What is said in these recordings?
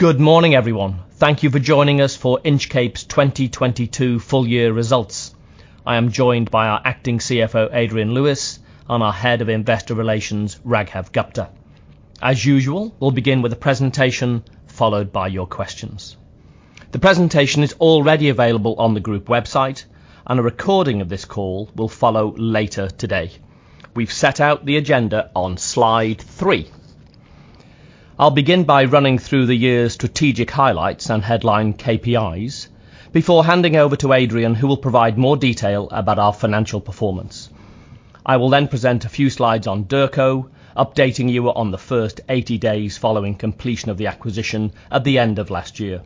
Good morning, everyone. Thank you for joining us for Inchcape's 2022 full year results. I am joined by our Acting CFO, Adrian Lewis, and our Head of Investor Relations, Raghav Gupta. As usual, we'll begin with a presentation followed by your questions. The presentation is already available on the group website and a recording of this call will follow later today. We've set out the agenda on slide 3. I'll begin by running through the year's strategic highlights and headline KPIs before handing over to Adrian who will provide more detail about our financial performance. I will then present a few slides on Derco, updating you on the first 80 days following completion of the acquisition at the end of last year.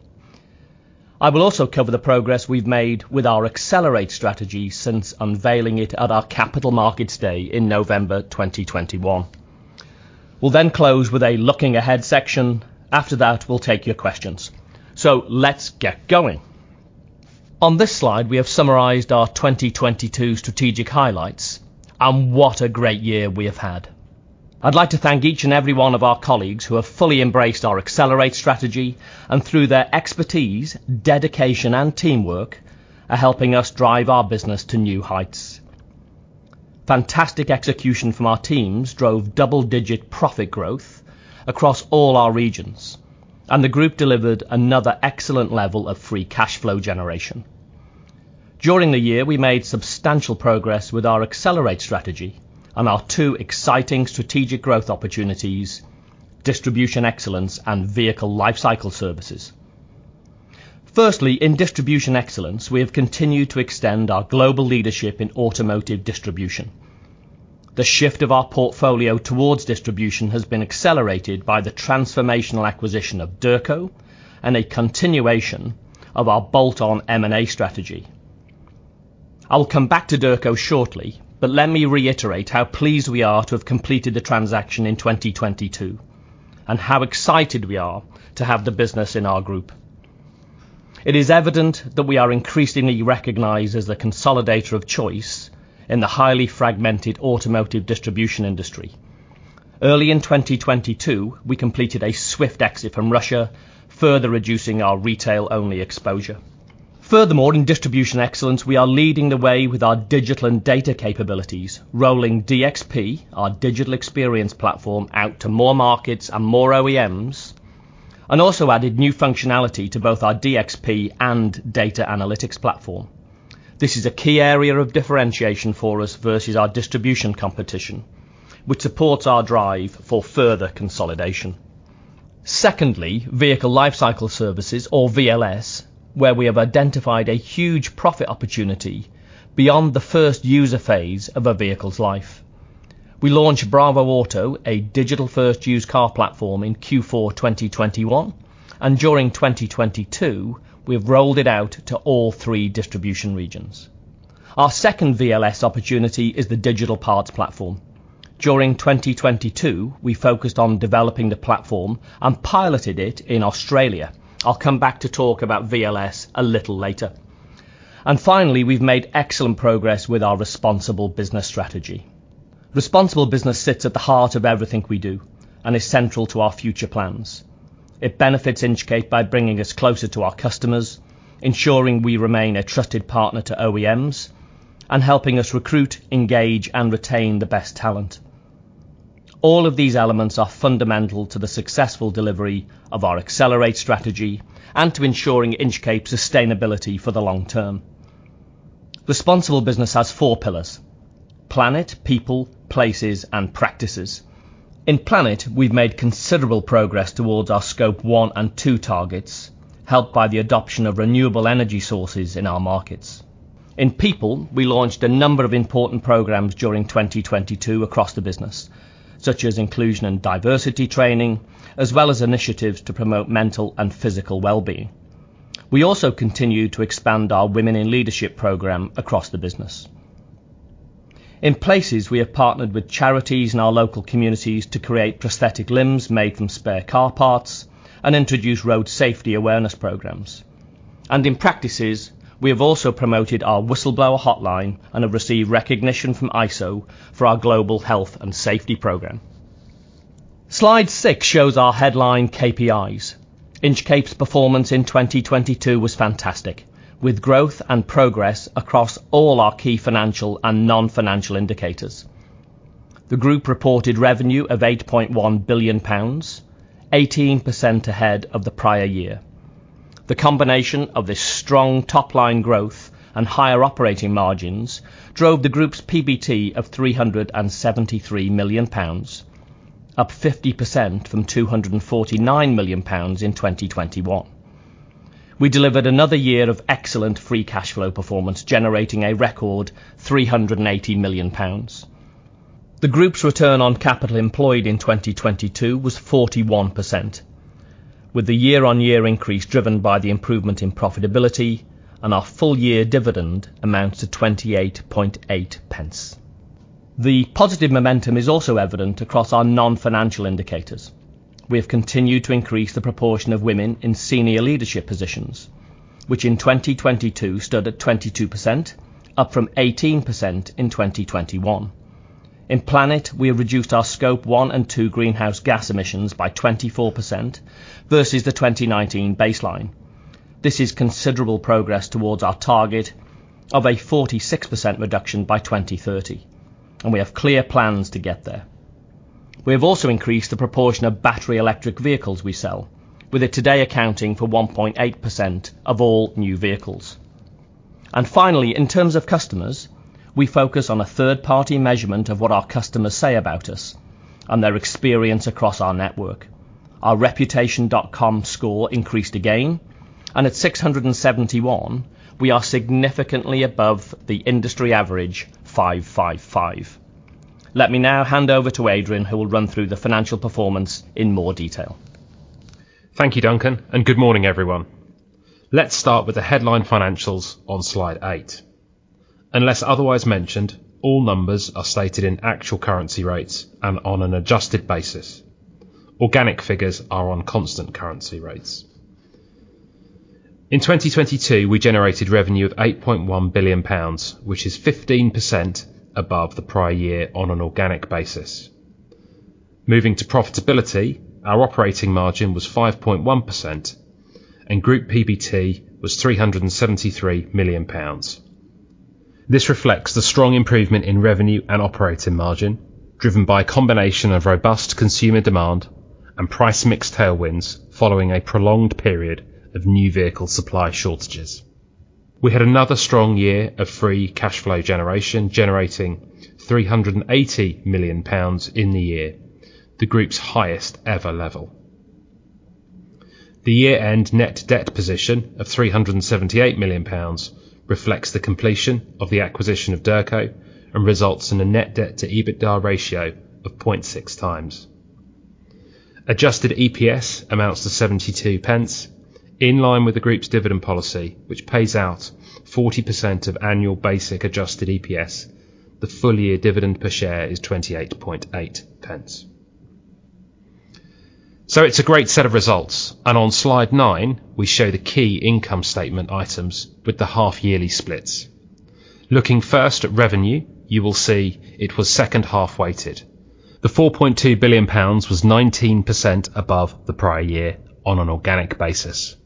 I will also cover the progress we've made with our Accelerate strategy since unveiling it at our capital markets day in November 2021. We'll then close with a looking ahead section. After that, we'll take your questions. Let's get going. On this slide, we have summarized our 2022 strategic highlights and what a great year we have had. I'd like to thank each and every one of our colleagues who have fully embraced our Accelerate strategy and through their expertise, dedication, and teamwork, are helping us drive our business to new heights. Fantastic execution from our teams drove double-digit profit growth across all our regions, and the group delivered another excellent level of free cash flow generation. During the year, we made substantial progress with our Accelerate strategy and our two exciting strategic growth opportunities, distribution excellence and vehicle lifecycle services. Firstly, in distribution excellence, we have continued to extend our global leadership in automotive distribution. The shift of our portfolio towards distribution has been accelerated by the transformational acquisition of Derco and a continuation of our bolt-on M&A strategy. I will come back to Derco shortly, but let me reiterate how pleased we are to have completed the transaction in 2022 and how excited we are to have the business in our group. It is evident that we are increasingly recognized as the consolidator of choice in the highly fragmented automotive distribution industry. Early in 2022, we completed a swift exit from Russia, further reducing our retail-only exposure. Furthermore, in distribution excellence, we are leading the way with our digital and data capabilities, rolling DXP, our Digital Experience Platform, out to more markets and more OEMs, and also added new functionality to both our DXP and Data Analytics Platform. This is a key area of differentiation for us versus our distribution competition, which supports our drive for further consolidation. Secondly, Vehicle Lifecycle Services or VLS, where we have identified a huge profit opportunity beyond the first user phase of a vehicle's life. We launched bravoauto, a digital first used car platform, in Q4 2021, and during 2022 we've rolled it out to all three distribution regions. Our second VLS opportunity is the digital parts platform. During 2022, we focused on developing the platform and piloted it in Australia. I'll come back to talk about VLS a little later. Finally, we've made excellent progress with our responsible business strategy. Responsible business sits at the heart of everything we do and is central to our future plans. It benefits Inchcape by bringing us closer to our customers, ensuring we remain a trusted partner to OEMs, and helping us recruit, engage, and retain the best talent. All of these elements are fundamental to the successful delivery of our Accelerate strategy and to ensuring Inchcape sustainability for the long term. Responsible business has four pillars: planet, people, places, and practices. In planet, we've made considerable progress towards our scope one and two targets, helped by the adoption of renewable energy sources in our markets. In people, we launched a number of important programs during 2022 across the business, such as inclusion and diversity training, as well as initiatives to promote mental and physical well-being. We also continued to expand our Women in Leadership Program across the business. In places, we have partnered with charities in our local communities to create prosthetic limbs made from spare car parts and introduce road safety awareness programs. In practices, we have also promoted our whistleblower hotline and have received recognition from ISO for our global health and safety program. Slide 6 shows our headline KPIs. Inchcape's performance in 2022 was fantastic, with growth and progress across all our key financial and non-financial indicators. The group reported revenue of 8.1 billion pounds, 18% ahead of the prior year. The combination of this strong top-line growth and higher operating margins drove the group's PBT of 373 million pounds, up 50% from 249 million pounds in 2021. We delivered another year of excellent free cash flow performance, generating a record 380 million pounds. The group's return on capital employed in 2022 was 41%, with the year-on-year increase driven by the improvement in profitability. Our full year dividend amounts to 28.8 pence. The positive momentum is also evident across our non-financial indicators. We have continued to increase the proportion of women in senior leadership positions, which in 2022 stood at 22%, up from 18% in 2021. In Planet, we have reduced our Scope 1 and 2 greenhouse gas emissions by 24% versus the 2019 baseline. This is considerable progress towards our target of a 46% reduction by 2030. We have clear plans to get there. We have also increased the proportion of battery electric vehicles we sell with it today accounting for 1.8% of all new vehicles. Finally, in terms of customers, we focus on a third-party measurement of what our customers say about us and their experience across our network. Our Reputation.com score increased again and at 671, we are significantly above the industry average 555. Let me now hand over to Adrian, who will run through the financial performance in more detail. Thank you, Duncan, and good morning, everyone. Let's start with the headline financials on slide 8. Unless otherwise mentioned, all numbers are stated in actual currency rates and on an adjusted basis. Organic figures are on constant currency rates. In 2022, we generated revenue of 8.1 billion pounds, which is 15% above the prior year on an organic basis. Moving to profitability, our operating margin was 5.1% and group PBT was 373 million pounds. This reflects the strong improvement in revenue and operating margin driven by a combination of robust consumer demand and price mix tailwinds following a prolonged period of new vehicle supply shortages. We had another strong year of free cash flow generation, generating 380 million pounds in the year, the group's highest ever level. The year-end net debt position of 378 million pounds reflects the completion of the acquisition of Derco and results in a net debt to EBITDA ratio of 0.6 times. Adjusted EPS amounts to 72 pence in line with the group's dividend policy, which pays out 40% of annual basic adjusted EPS. The full year dividend per share is 28.8 pence. On slide 9, we show the key income statement items with the half-yearly splits. Looking first at revenue, you will see it was second-half weighted. The 4.2 billion pounds was 19% above the prior year on an organic basis.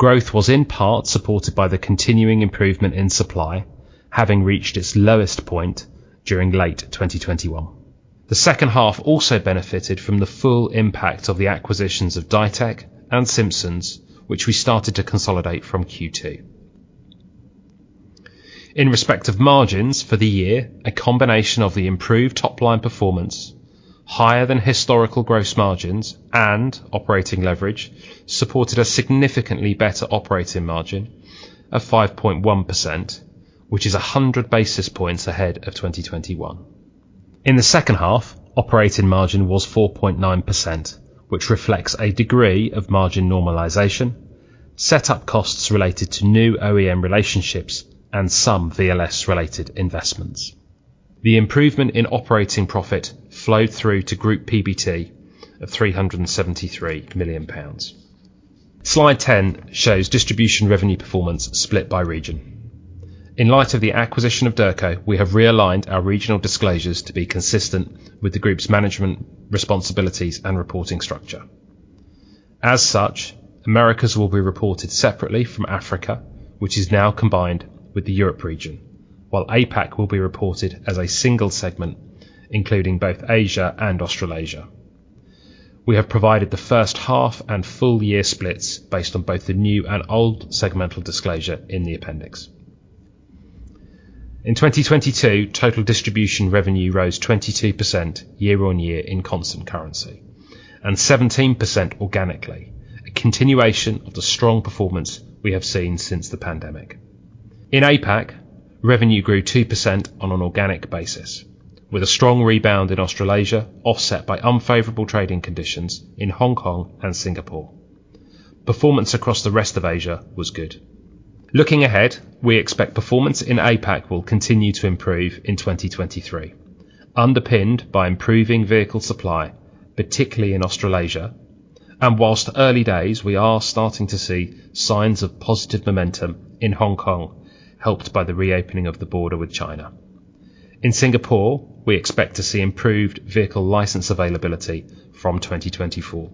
Growth was in part supported by the continuing improvement in supply, having reached its lowest point during late 2021. The second half also benefited from the full impact of the acquisitions of Ditec and Simpsons, which we started to consolidate from Q2. In respect of margins for the year, a combination of the improved top-line performance higher than historical gross margins and operating leverage supported a significantly better operating margin of 5.1%, which is 100 basis points ahead of 2021. In the second half, operating margin was 4.9%, which reflects a degree of margin normalization, setup costs related to new OEM relationships and some VLS related investments. The improvement in operating profit flowed through to group PBT of 373 million pounds. Slide 10 shows distribution revenue performance split by region. In light of the acquisition of Derco, we have realigned our regional disclosures to be consistent with the group's management responsibilities and reporting structure. Americas will be reported separately from Africa, which is now combined with the Europe region, while APAC will be reported as a single segment, including both Asia and Australasia. We have provided the first half and full year splits based on both the new and old segmental disclosure in the appendix. In 2022, total distribution revenue rose 22% year-on-year in constant currency and 17% organically. A continuation of the strong performance we have seen since the pandemic. In APAC, revenue grew 2% on an organic basis, with a strong rebound in Australasia, offset by unfavorable trading conditions in Hong Kong and Singapore. Performance across the rest of Asia was good. Looking ahead, we expect performance in APAC will continue to improve in 2023, underpinned by improving vehicle supply, particularly in Australasia. Whilst early days we are starting to see signs of positive momentum in Hong Kong, helped by the reopening of the border with China. In Singapore, we expect to see improved vehicle license availability from 2024,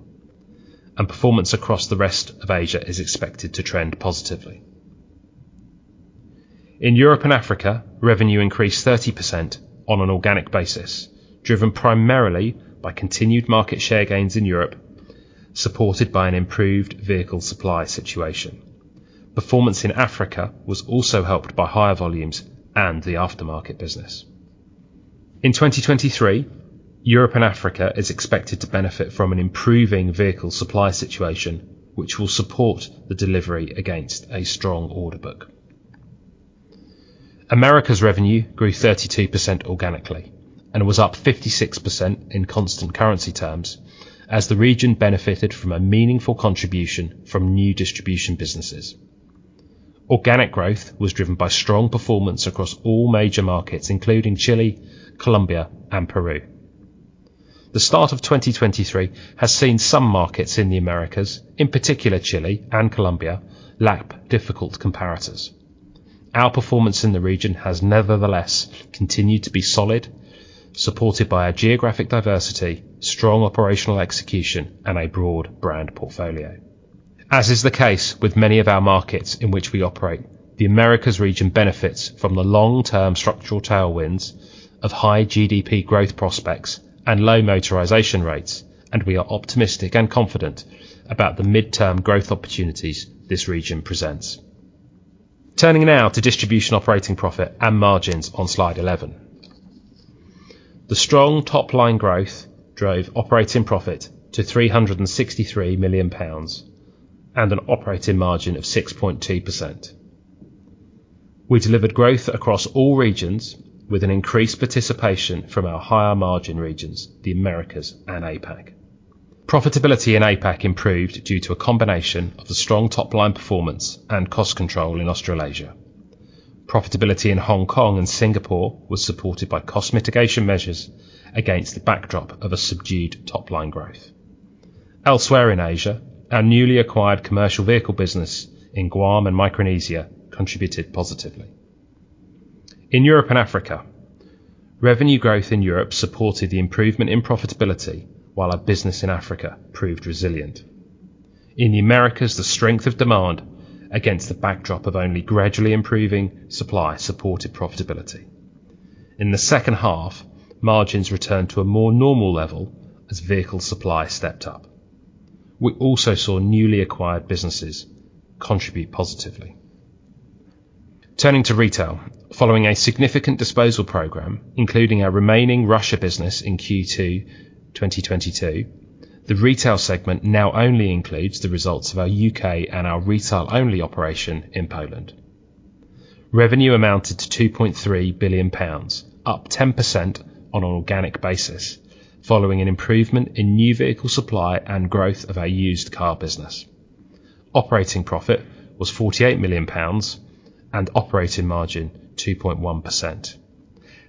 and performance across the rest of Asia is expected to trend positively. In Europe and Africa, revenue increased 30% on an organic basis, driven primarily by continued market share gains in Europe, supported by an improved vehicle supply situation. Performance in Africa was also helped by higher volumes and the aftermarket business. In 2023, Europe and Africa is expected to benefit from an improving vehicle supply situation, which will support the delivery against a strong order book. Americas revenue grew 32% organically and was up 56% in constant currency terms as the region benefited from a meaningful contribution from new distribution businesses. Organic growth was driven by strong performance across all major markets, including Chile, Colombia and Peru. The start of 2023 has seen some markets in the Americas, in particular Chile and Colombia, lap difficult comparators. Our performance in the region has nevertheless continued to be solid, supported by our geographic diversity, strong operational execution and a broad brand portfolio. As is the case with many of our markets in which we operate, the Americas region benefits from the long-term structural tailwinds of high GDP growth prospects and low motorization rates. We are optimistic and confident about the midterm growth opportunities this region presents. Turning now to distribution operating profit and margins on slide 11. The strong top-line growth drove operating profit to 363 million pounds and an operating margin of 6.2%. We delivered growth across all regions with an increased participation from our higher margin regions, the Americas and APAC. Profitability in APAC improved due to a combination of the strong top-line performance and cost control in Australasia. Profitability in Hong Kong and Singapore was supported by cost mitigation measures against the backdrop of a subdued top-line growth. Elsewhere in Asia, our newly acquired commercial vehicle business in Guam and Micronesia contributed positively. In Europe and Africa, revenue growth in Europe supported the improvement in profitability while our business in Africa proved resilient. In the Americas, the strength of demand against the backdrop of only gradually improving supply supported profitability. In the second half, margins returned to a more normal level as vehicle supply stepped up. We also saw newly acquired businesses contribute positively. Turning to retail. Following a significant disposal program, including our remaining Russia business in Q2 2022, the retail segment now only includes the results of our U.K. and our retail-only operation in Poland. Revenue amounted to 2.3 billion pounds, up 10% on an organic basis, following an improvement in new vehicle supply and growth of our used car business. Operating profit was 48 million pounds and operating margin 2.1%.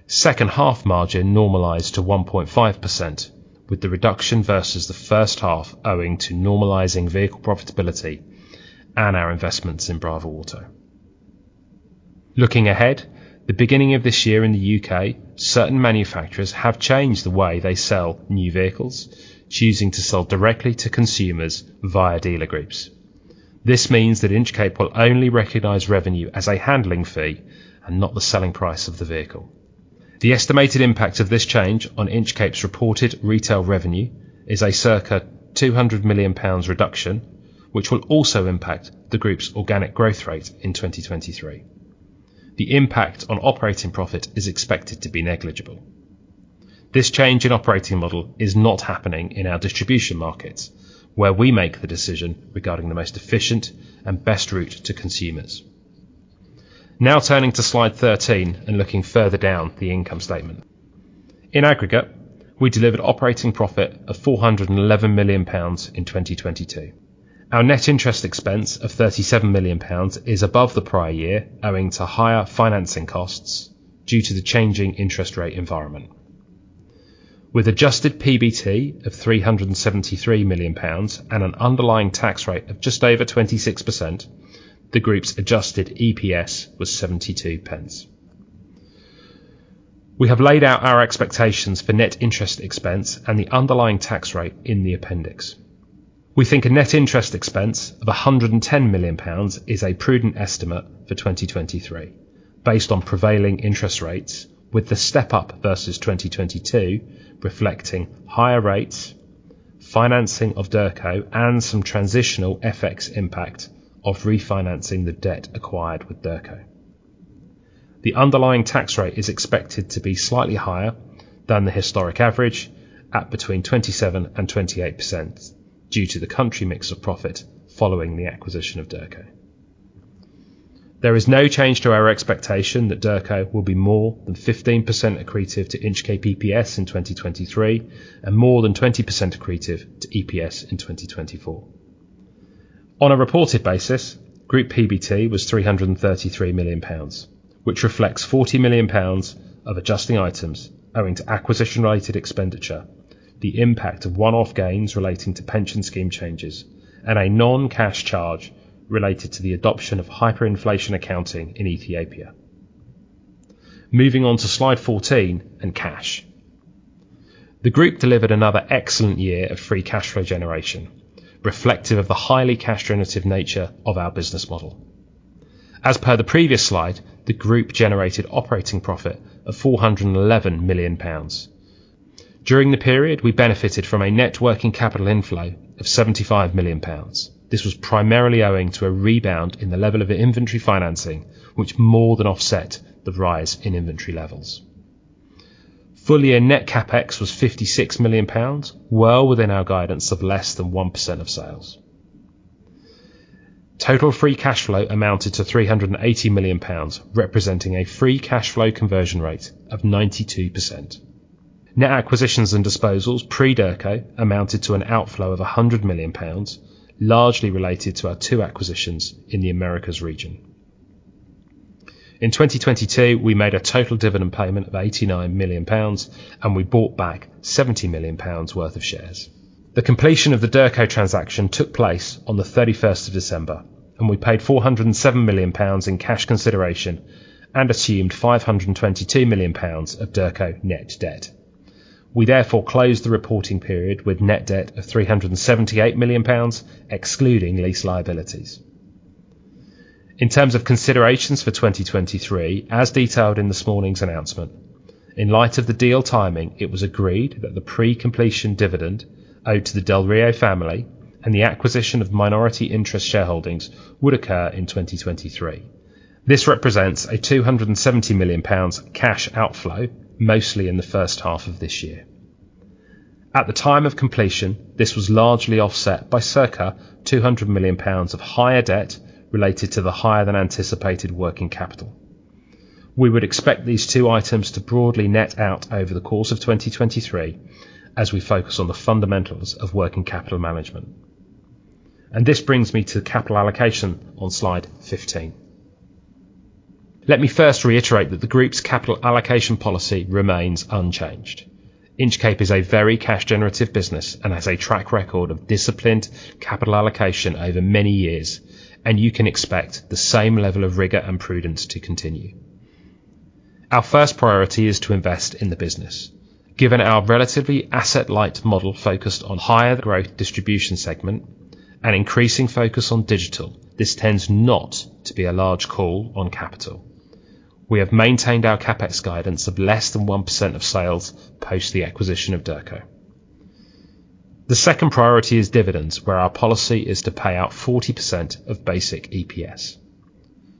Second half margin normalized to 1.5%, with the reduction versus the first half owing to normalizing vehicle profitability and our investments in bravoauto. Looking ahead, the beginning of this year in the U.K., certain manufacturers have changed the way they sell new vehicles, choosing to sell directly to consumers via dealer groups. This means that Inchcape will only recognize revenue as a handling fee and not the selling price of the vehicle. The estimated impact of this change on Inchcape's reported retail revenue is a circa 200 million pounds reduction, which will also impact the group's organic growth rate in 2023. The impact on operating profit is expected to be negligible. This change in operating model is not happening in our distribution markets, where we make the decision regarding the most efficient and best route to consumers. Turning to slide 13 and looking further down the income statement. In aggregate, we delivered operating profit of 411 million pounds in 2022. Our net interest expense of 37 million pounds is above the prior year, owing to higher financing costs due to the changing interest rate environment. With adjusted PBT of 373 million pounds and an underlying tax rate of just over 26%, the group's adjusted EPS was 0.72. We have laid out our expectations for net interest expense and the underlying tax rate in the appendix. We think a net interest expense of 110 million pounds is a prudent estimate for 2023 based on prevailing interest rates, with the step up versus 2022 reflecting higher rates, financing of Derco and some transitional FX impact of refinancing the debt acquired with Derco. The underlying tax rate is expected to be slightly higher than the historic average at between 27%-28% due to the country mix of profit following the acquisition of Derco. There is no change to our expectation that Derco will be more than 15% accretive to Inchcape EPS in 2023 and more than 20% accretive to EPS in 2024. On a reported basis, group PBT was 333 million pounds, which reflects 40 million pounds of adjusting items owing to acquisition-related expenditure, the impact of one-off gains relating to pension scheme changes, and a non-cash charge related to the adoption of hyperinflation accounting in Ethiopia. Moving on to slide 14 and cash. The group delivered another excellent year of free cash flow generation, reflective of the highly cash-generative nature of our business model. As per the previous slide, the group generated operating profit of 411 million pounds. During the period, we benefited from a net working capital inflow of 75 million pounds. This was primarily owing to a rebound in the level of inventory financing, which more than offset the rise in inventory levels. Full year net CapEx was 56 million pounds, well within our guidance of less than 1% of sales. Total free cash flow amounted to 380 million pounds, representing a free cash flow conversion rate of 92%. Net acquisitions and disposals pre-Derco amounted to an outflow of 100 million pounds, largely related to our two acquisitions in the Americas region. In 2022, we made a total dividend payment of 89 million pounds. We bought back 70 million pounds worth of shares. The completion of the Derco transaction took place on the 31st of December. We paid G BP 407 million in cash consideration and assumed 522 million pounds of Derco net debt. We therefore closed the reporting period with net debt of 378 million pounds, excluding lease liabilities. In terms of considerations for 2023, as detailed in this morning's announcement, in light of the deal timing, it was agreed that the pre-completion dividend owed to the del Río family and the acquisition of minority interest shareholdings would occur in 2023. This represents a 270 million pounds cash outflow, mostly in the first half of this year. At the time of completion, this was largely offset by circa 200 million pounds of higher debt related to the higher than anticipated working capital. We would expect these two items to broadly net out over the course of 2023 as we focus on the fundamentals of working capital management. This brings me to capital allocation on slide 15. Let me first reiterate that the Group's capital allocation policy remains unchanged. Inchcape is a very cash generative business and has a track record of disciplined capital allocation over many years, and you can expect the same level of rigor and prudence to continue. Our first priority is to invest in the business. Given our relatively asset-light model focused on higher growth distribution segment and increasing focus on digital, this tends not to be a large call on capital. We have maintained our CapEx guidance of less than 1% of sales post the acquisition of Derco. The second priority is dividends, where our policy is to pay out 40% of basic EPS.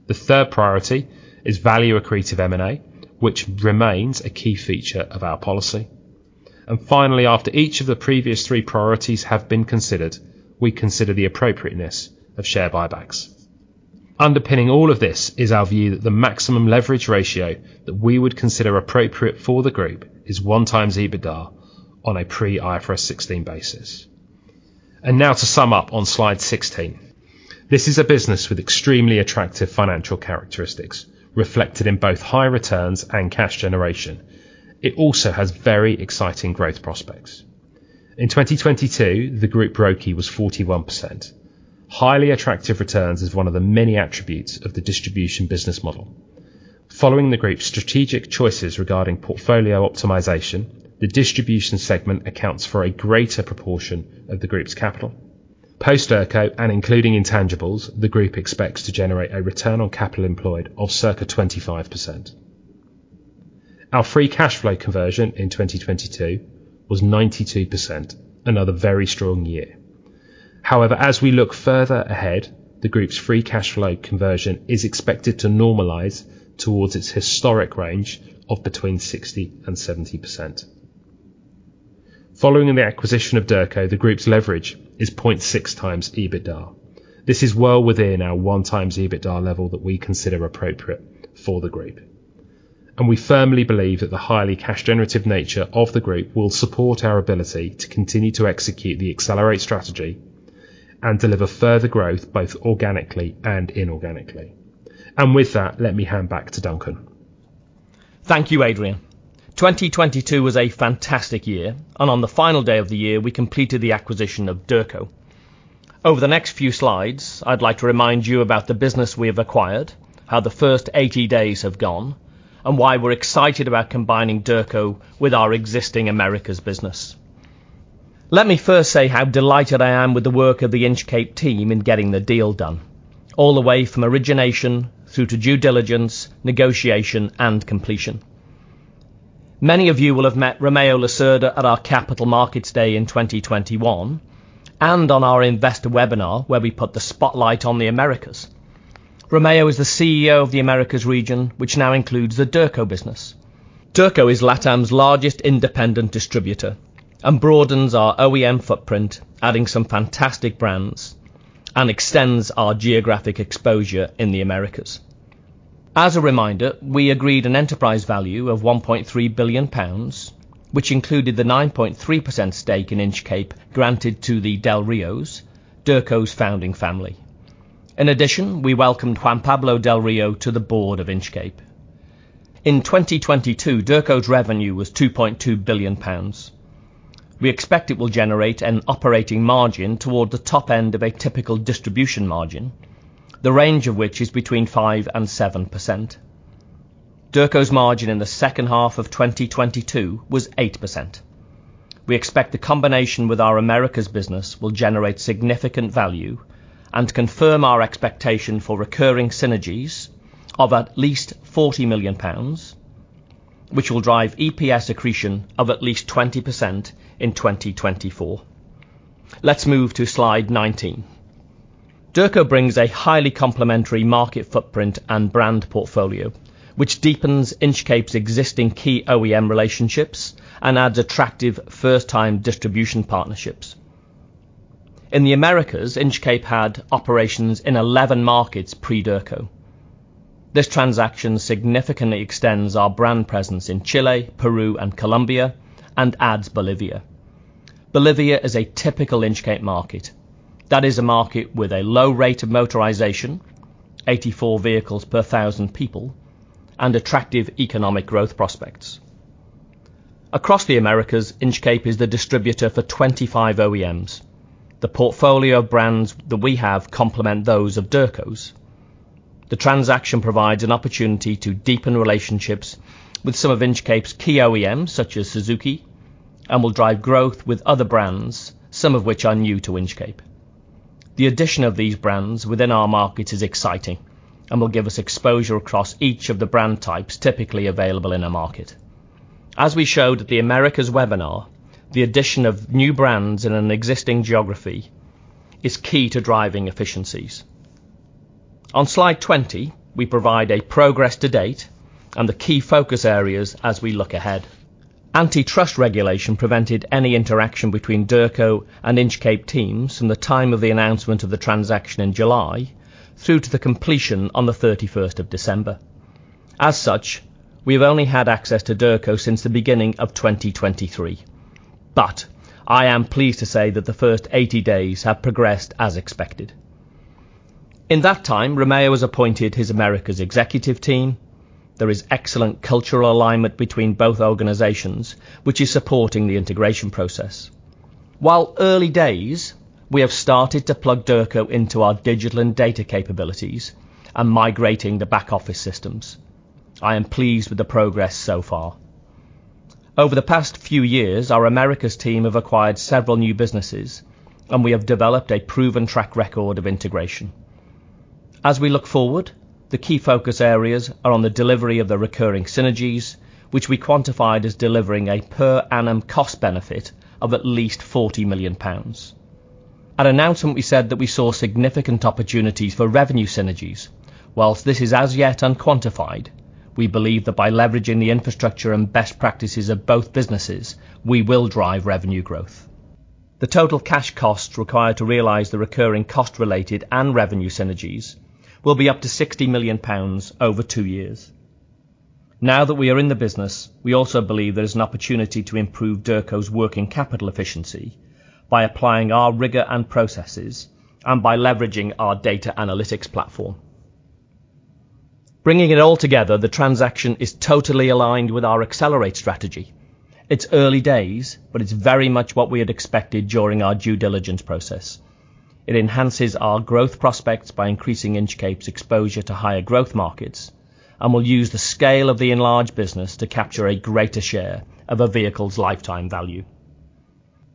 The third priority is value accretive M&A, which remains a key feature of our policy. Finally, after each of the previous three priorities have been considered, we consider the appropriateness of share buybacks. Underpinning all of this is our view that the maximum leverage ratio that we would consider appropriate for the Group is x EBITDA on a pre-IFRS 16 basis. Now to sum up on slide 16. This is a business with extremely attractive financial characteristics reflected in both high returns and cash generation. It also has very exciting growth prospects. In 2022, the group ROCE was 41%. Highly attractive returns is one of the many attributes of the distribution business model. Following the Group's strategic choices regarding portfolio optimization, the distribution segment accounts for a greater proportion of the Group's capital. Post Derco and including intangibles, the Group expects to generate a return on capital employed of circa 25%. Our free cash flow conversion in 2022 was 92%, another very strong year. However, as we look further ahead, the Group's free cash flow conversion is expected to normalize towards its historic range of between 60 and 70%. Following the acquisition of Derco, the Group's leverage is 0.6x EBITDA. This is well within our 1x EBITDA level that we consider appropriate for the Group. We firmly believe that the highly cash generative nature of the Group will support our ability to continue to execute the Accelerate strategy and deliver further growth, both organically and inorganically. With that, let me hand back to Duncan. Thank you, Adrian. 2022 was a fantastic year, and on the final day of the year, we completed the acquisition of Derco. Over the next few slides, I'd like to remind you about the business we have acquired, how the first 80 days have gone, and why we're excited about combining Derco with our existing Americas business. Let me first say how delighted I am with the work of the Inchcape team in getting the deal done, all the way from origination through to due diligence, negotiation and completion. Many of you will have met Romeo Lacerda at our Capital Markets Day in 2021 and on our investor webinar where we put the spotlight on the Americas. Romeo is the CEO of the Americas region, which now includes the Derco business. Derco is LATAM's largest independent distributor and broadens our OEM footprint, adding some fantastic brands, and extends our geographic exposure in the Americas. As a reminder, we agreed an enterprise value of 1.3 billion pounds, which included the 9.3% stake in Inchcape granted to the Del Ríos, Derco's founding family. In addition, we welcomed Juan Pablo del Río to the board of Inchcape. In 2022, Derco's revenue was 2.2 billion pounds. We expect it will generate an operating margin toward the top end of a typical distribution margin, the range of which is between 5%-7%. Derco's margin in the second half of 2022 was 8%. We expect the combination with our Americas business will generate significant value and confirm our expectation for recurring synergies of at least 40 million pounds, which will drive EPS accretion of at least 20% in 2024. Let's move to slide 19. Derco brings a highly complementary market footprint and brand portfolio, which deepens Inchcape's existing key OEM relationships and adds attractive first time distribution partnerships. In the Americas, Inchcape had operations in 11 markets pre-Derco. This transaction significantly extends our brand presence in Chile, Peru, and Colombia, and adds Bolivia. Bolivia is a typical Inchcape market. That is a market with a low rate of motorization, 84 vehicles per 1,000 people, and attractive economic growth prospects. Across the Americas, Inchcape is the distributor for 25 OEMs. The portfolio of brands that we have complement those of Derco's. The transaction provides an opportunity to deepen relationships with some of Inchcape's key OEMs, such as Suzuki, and will drive growth with other brands, some of which are new to Inchcape. The addition of these brands within our market is exciting and will give us exposure across each of the brand types typically available in a market. As we showed at the Americas webinar, the addition of new brands in an existing geography is key to driving efficiencies. On slide 20, we provide a progress to date and the key focus areas as we look ahead. Antitrust regulation prevented any interaction between Derco and Inchcape teams from the time of the announcement of the transaction in July through to the completion on the 31st of December. Such, we have only had access to Derco since the beginning of 2023. I am pleased to say that the first 80 days have progressed as expected. In that time, Romeo Lacerda has appointed his Americas executive team. There is excellent cultural alignment between both organizations, which is supporting the integration process. While early days, we have started to plug Derco into our digital and data capabilities and migrating the back office systems. I am pleased with the progress so far. Over the past few years, our Americas team have acquired several new businesses. We have developed a proven track record of integration. We look forward, the key focus areas are on the delivery of the recurring synergies, which we quantified as delivering a per annum cost benefit of at least 40 million pounds. At announcement we said that we saw significant opportunities for revenue synergies. Whilst this is as yet unquantified, we believe that by leveraging the infrastructure and best practices of both businesses, we will drive revenue growth. The total cash costs required to realize the recurring cost related and revenue synergies will be up to 60 million pounds over two years. Now that we are in the business, we also believe there is an opportunity to improve Derco's working capital efficiency by applying our rigor and processes and by leveraging our Data Analytics Platform. Bringing it all together, the transaction is totally aligned with our Accelerate strategy. It's early days, but it's very much what we had expected during our due diligence process. It enhances our growth prospects by increasing Inchcape's exposure to higher growth markets and will use the scale of the enlarged business to capture a greater share of a vehicle's lifetime value.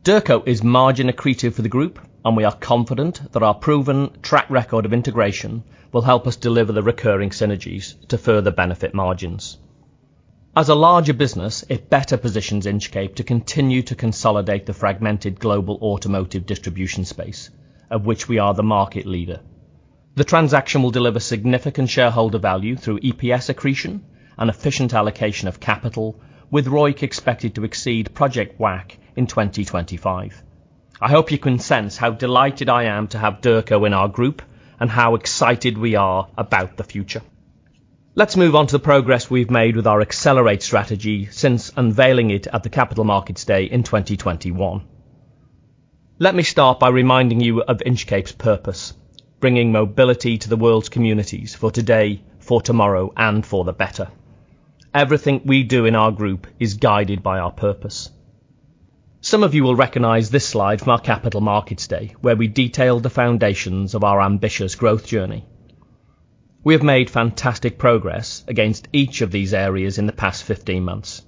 Derco is margin accretive for the group, and we are confident that our proven track record of integration will help us deliver the recurring synergies to further benefit margins. As a larger business, it better positions Inchcape to continue to consolidate the fragmented global automotive distribution space, of which we are the market leader. The transaction will deliver significant shareholder value through EPS accretion and efficient allocation of capital, with ROIC expected to exceed Project WACC in 2025. I hope you can sense how delighted I am to have Derco in our group and how excited we are about the future. Let's move on to the progress we've made with our Accelerate strategy since unveiling it at the Capital Markets Day in 2021. Let me start by reminding you of Inchcape's purpose, bringing mobility to the world's communities for today, for tomorrow, and for the better. Everything we do in our group is guided by our purpose. Some of you will recognize this slide from our Capital Markets Day, where we detailed the foundations of our ambitious growth journey. We have made fantastic progress against each of these areas in the past 15 months.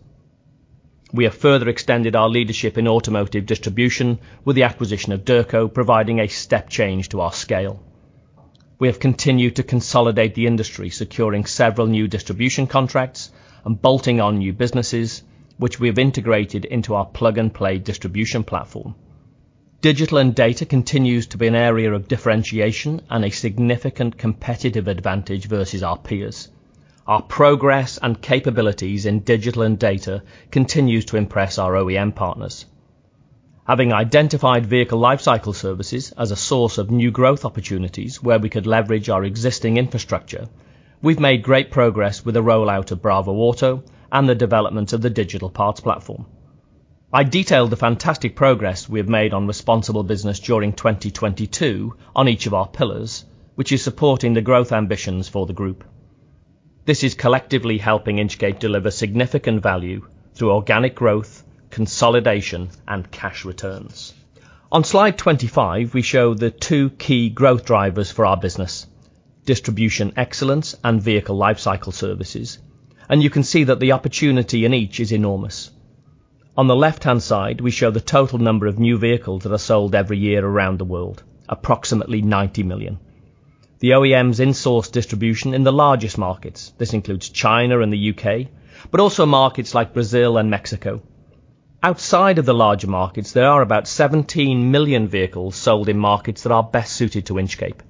We have further extended our leadership in automotive distribution with the acquisition of Derco providing a step change to our scale. We have continued to consolidate the industry, securing several new distribution contracts and bolting on new businesses, which we have integrated into our plug-and-play distribution platform. Digital and data continues to be an area of differentiation and a significant competitive advantage versus our peers. Our progress and capabilities in digital and data continues to impress our OEM partners. Having identified vehicle lifecycle services as a source of new growth opportunities where we could leverage our existing infrastructure, we've made great progress with the rollout of bravoauto and the development of the Digital Parts platform. I detailed the fantastic progress we have made on responsible business during 2022 on each of our pillars, which is supporting the growth ambitions for the group. This is collectively helping Inchcape deliver significant value through organic growth, consolidation, and cash returns. On slide 25, we show the two key growth drivers for our business, distribution excellence and vehicle lifecycle services, and you can see that the opportunity in each is enormous. On the left-hand side, we show the total number of new vehicles that are sold every year around the world, approximately 90 million. The OEMs in-source distribution in the largest markets. This includes China and the UK, but also markets like Brazil and Mexico. Outside of the larger markets, there are about 17 million vehicles sold in markets that are best suited to Inchcape.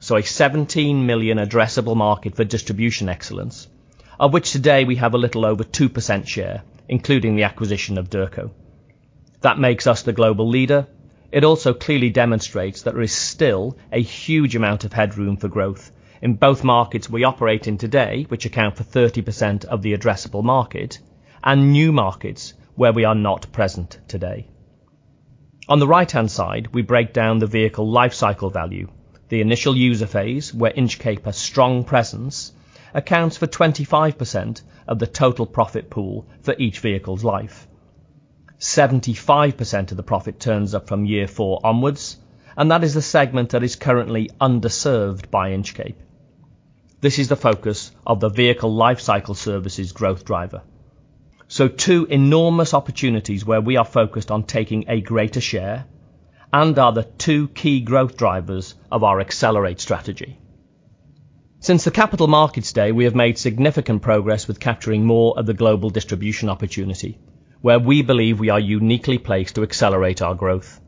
So a 17 million addressable market for distribution excellence, of which today we have a little over 2% share, including the acquisition of Derco. That makes us the global leader. It also clearly demonstrates that there is still a huge amount of headroom for growth in both markets we operate in today, which account for 30% of the addressable market, and new markets where we are not present today. On the right-hand side, we break down the vehicle lifecycle value. The initial user phase, where Inchcape has strong presence, accounts for 25% of the total profit pool for each vehicle's life. 75% of the profit turns up from year 4 onwards. That is the segment that is currently underserved by Inchcape. This is the focus of the vehicle lifecycle services growth driver. Two enormous opportunities where we are focused on taking a greater share and are the 2 key growth drivers of our Accelerate strategy. Since the Capital Markets Day, we have made significant progress with capturing more of the global distribution opportunity, where we believe we are uniquely placed to accelerate our growth.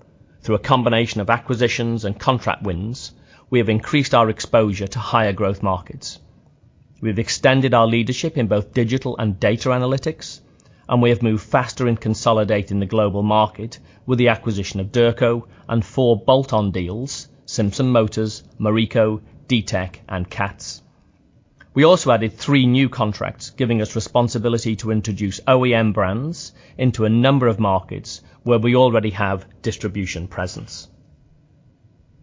Through a combination of acquisitions and contract wins, we have increased our exposure to higher growth markets. We've extended our leadership in both digital and data analytics. We have moved faster in consolidating the global market with the acquisition of Derco and 4 bolt-on deals, Simpson Motors, Morrico, Ditec, and CATS. We also added three new contracts, giving us responsibility to introduce OEM brands into a number of markets where we already have distribution presence.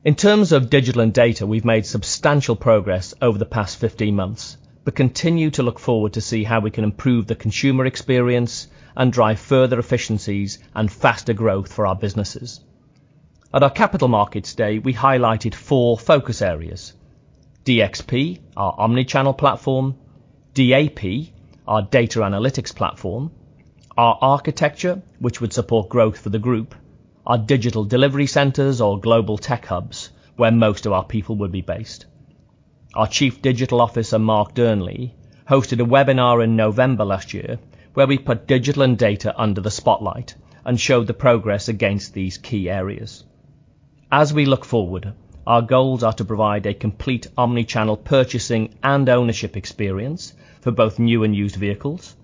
In terms of digital and data, we've made substantial progress over the past 15 months, but continue to look forward to see how we can improve the consumer experience and drive further efficiencies and faster growth for our businesses. At our Capital Markets Day, we highlighted four focus areas. DXP, our omni-channel platform, DAP, our data analytics platform, our architecture, which would support growth for the group, our digital delivery centers or global tech hubs, where most of our people will be based. Our Chief Digital Officer, Mark Dearnley, hosted a webinar in November last year, where we put digital and data under the spotlight and showed the progress against these key areas. As we look forward, our goals are to provide a complete omni-channel purchasing and ownership experience for both new and used vehicles,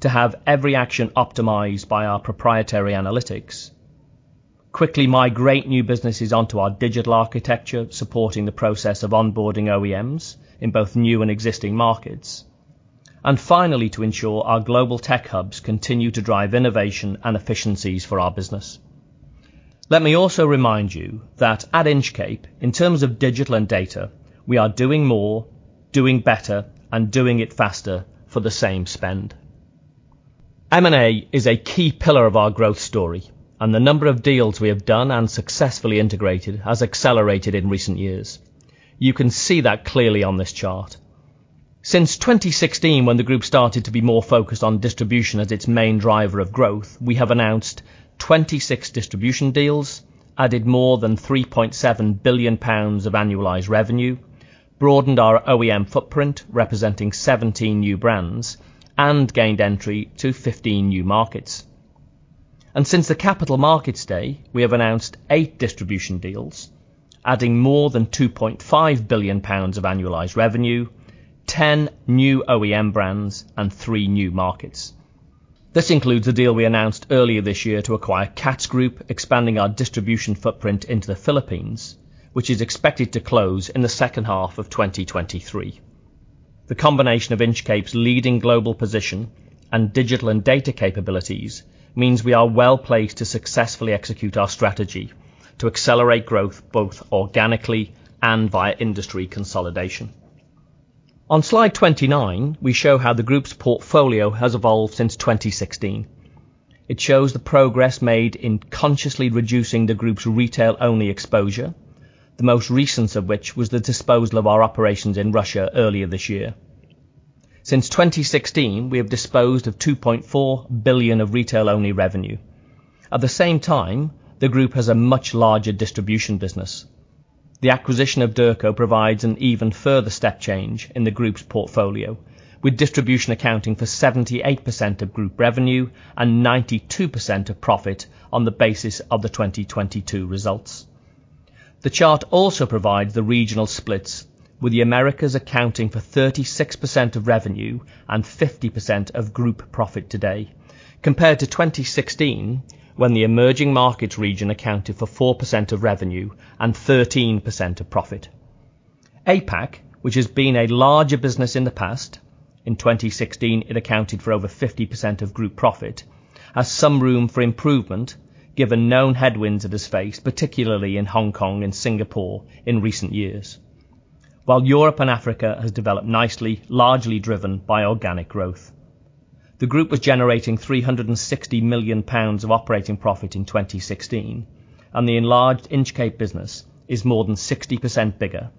to have every action optimized by our proprietary analytics, quickly migrate new businesses onto our digital architecture, supporting the process of onboarding OEMs in both new and existing markets. Finally, to ensure our global tech hubs continue to drive innovation and efficiencies for our business. Let me also remind you that at Inchcape, in terms of digital and data, we are doing more, doing better, and doing it faster for the same spend. M&A is a key pillar of our growth story. The number of deals we have done and successfully integrated has accelerated in recent years. You can see that clearly on this chart. Since 2016, when the group started to be more focused on distribution as its main driver of growth, we have announced 26 distribution deals, added more than 3.7 billion pounds of annualized revenue, broadened our OEM footprint, representing 17 new brands, and gained entry to 15 new markets. Since the Capital Markets Day, we have announced 8 distribution deals, adding more than 2.5 billion pounds of annualized revenue, 10 new OEM brands, and 3 new markets. This includes a deal we announced earlier this year to acquire CATS Group, expanding our distribution footprint into the Philippines, which is expected to close in the second half of 2023. The combination of Inchcape's leading global position and digital and data capabilities means we are well-placed to successfully execute our strategy to accelerate growth, both organically and via industry consolidation. On slide 29, we show how the group's portfolio has evolved since 2016. It shows the progress made in consciously reducing the group's retail-only exposure, the most recent of which was the disposal of our operations in Russia earlier this year. Since 2016, we have disposed of 2.4 billion of retail-only revenue. At the same time, the group has a much larger distribution business. The acquisition of Derco provides an even further step change in the group's portfolio, with distribution accounting for 78% of group revenue and 92% of profit on the basis of the 2022 results. The chart also provides the regional splits, with the Americas accounting for 36% of revenue and 50% of group profit today, compared to 2016, when the emerging markets region accounted for 4% of revenue and 13% of profit. APAC, which has been a larger business in the past, in 2016 it accounted for over 50% of group profit, has some room for improvement given known headwinds it has faced, particularly in Hong Kong and Singapore in recent years. While Europe and Africa has developed nicely, largely driven by organic growth. The group was generating 360 million pounds of operating profit in 2016, and the enlarged Inchcape business is more than 60% bigger.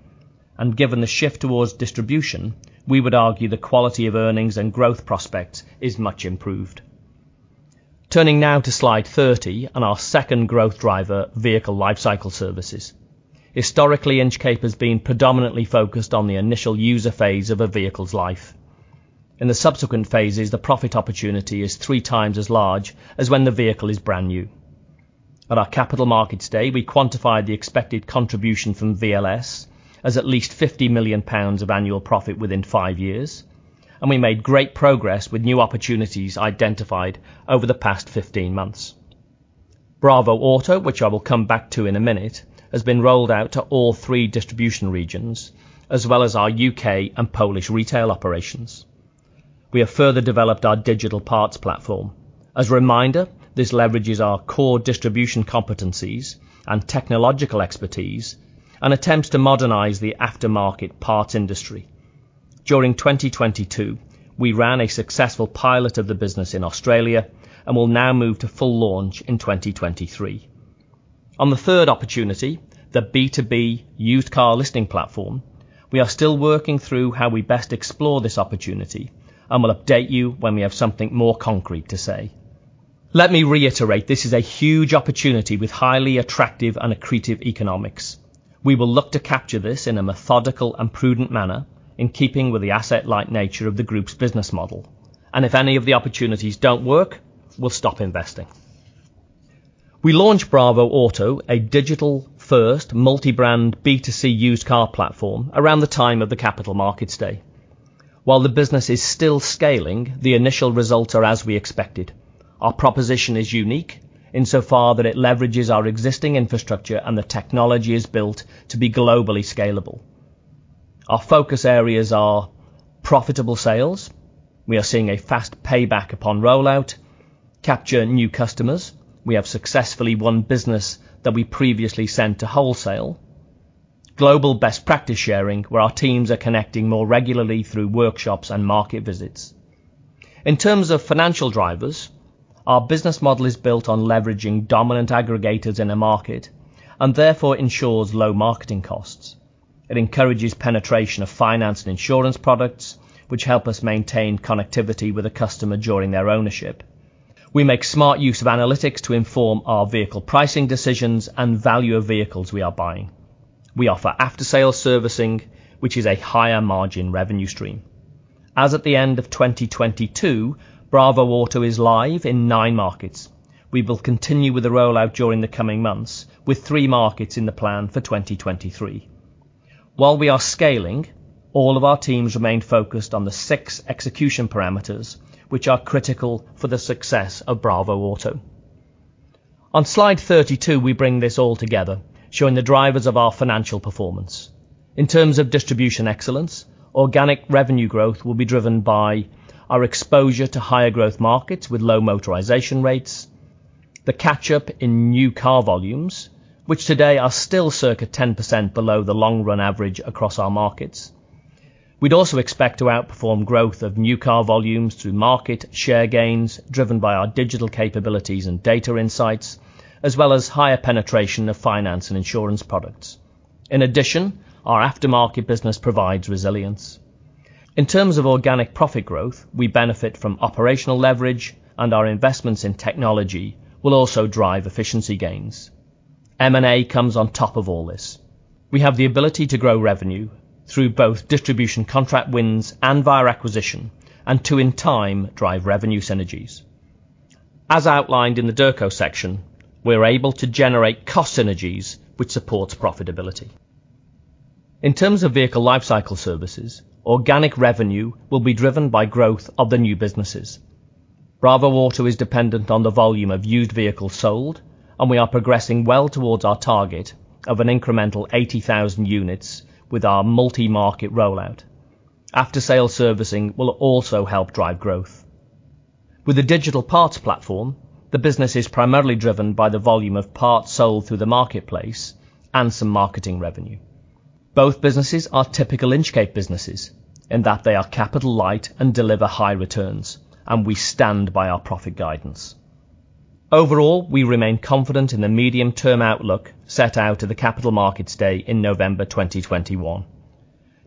Given the shift towards distribution, we would argue the quality of earnings and growth prospects is much improved. Turning now to slide 30 and our second growth driver, vehicle lifecycle services. Historically, Inchcape has been predominantly focused on the initial user phase of a vehicle's life. In the subsequent phases, the profit opportunity is 3x as large as when the vehicle is brand new. At our Capital Markets Day, we quantified the expected contribution from VLS as at least 50 million pounds of annual profit within 5 years. We made great progress with new opportunities identified over the past 15 months. bravoauto, which I will come back to in a minute, has been rolled out to all three distribution regions, as well as our U.K. and Polish retail operations. We have further developed our digital parts platform. As a reminder, this leverages our core distribution competencies and technological expertise and attempts to modernize the aftermarket parts industry. During 2022, we ran a successful pilot of the business in Australia and will now move to full launch in 2023. On the third opportunity, the B2B used car listing platform, we are still working through how we best explore this opportunity, and will update you when we have something more concrete to say. Let me reiterate this is a huge opportunity with highly attractive and accretive economics. We will look to capture this in a methodical and prudent manner in keeping with the asset-light nature of the group's business model, and if any of the opportunities don't work, we'll stop investing. We launched bravoauto, a digital-first multi-brand B2C used car platform around the time of the Capital Markets Day. While the business is still scaling, the initial results are as we expected. Our proposition is unique insofar that it leverages our existing infrastructure and the technology is built to be globally scalable. Our focus areas are profitable sales. We are seeing a fast payback upon rollout. Capture new customers. We have successfully won business that we previously sent to wholesale. Global best practice sharing, where our teams are connecting more regularly through workshops and market visits. In terms of financial drivers, our business model is built on leveraging dominant aggregators in a market and therefore ensures low marketing costs. It encourages penetration of finance and insurance products, which help us maintain connectivity with the customer during their ownership. We make smart use of analytics to inform our vehicle pricing decisions and value of vehicles we are buying. We offer after-sale servicing, which is a higher margin revenue stream. As at the end of 2022, bravoauto is live in nine markets. We will continue with the rollout during the coming months with three markets in the plan for 2023. While we are scaling, all of our teams remain focused on the six execution parameters which are critical for the success of bravoauto. On slide 32, we bring this all together, showing the drivers of our financial performance. In terms of distribution excellence, organic revenue growth will be driven by our exposure to higher growth markets with low motorization rates, the catch up in new car volumes, which today are still circa 10% below the long run average across our markets. We'd also expect to outperform growth of new car volumes through market share gains driven by our digital capabilities and data insights, as well as higher penetration of finance and insurance products. Our aftermarket business provides resilience. In terms of organic profit growth, we benefit from operational leverage and our investments in technology will also drive efficiency gains. M&A comes on top of all this. We have the ability to grow revenue through both distribution contract wins and via acquisition and to in time drive revenue synergies. As outlined in the Derco section, we're able to generate cost synergies which supports profitability. In terms of vehicle lifecycle services, organic revenue will be driven by growth of the new businesses. bravoauto is dependent on the volume of used vehicles sold, and we are progressing well towards our target of an incremental 80,000 units with our multi-market rollout. After-sale servicing will also help drive growth. With the digital parts platform, the business is primarily driven by the volume of parts sold through the marketplace and some marketing revenue. Both businesses are typical Inchcape businesses in that they are capital light and deliver high returns, and we stand by our profit guidance. Overall, we remain confident in the medium-term outlook set out at the Capital Markets Day in November 2021.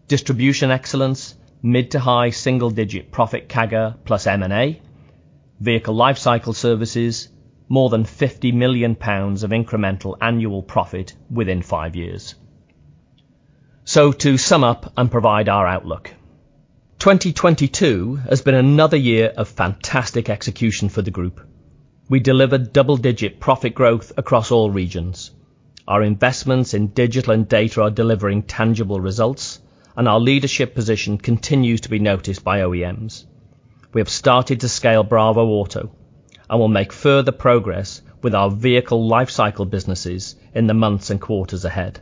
Distribution excellence, mid to high single-digit profit CAGR plus M&A. Vehicle lifecycle services, more than 50 million pounds of incremental annual profit within five years. To sum up and provide our outlook. 2022 has been another year of fantastic execution for the group. We delivered double-digit profit growth across all regions. Our investments in digital and data are delivering tangible results, and our leadership position continues to be noticed by OEMs. We have started to scale bravoauto and will make further progress with our vehicle lifecycle businesses in the months and quarters ahead.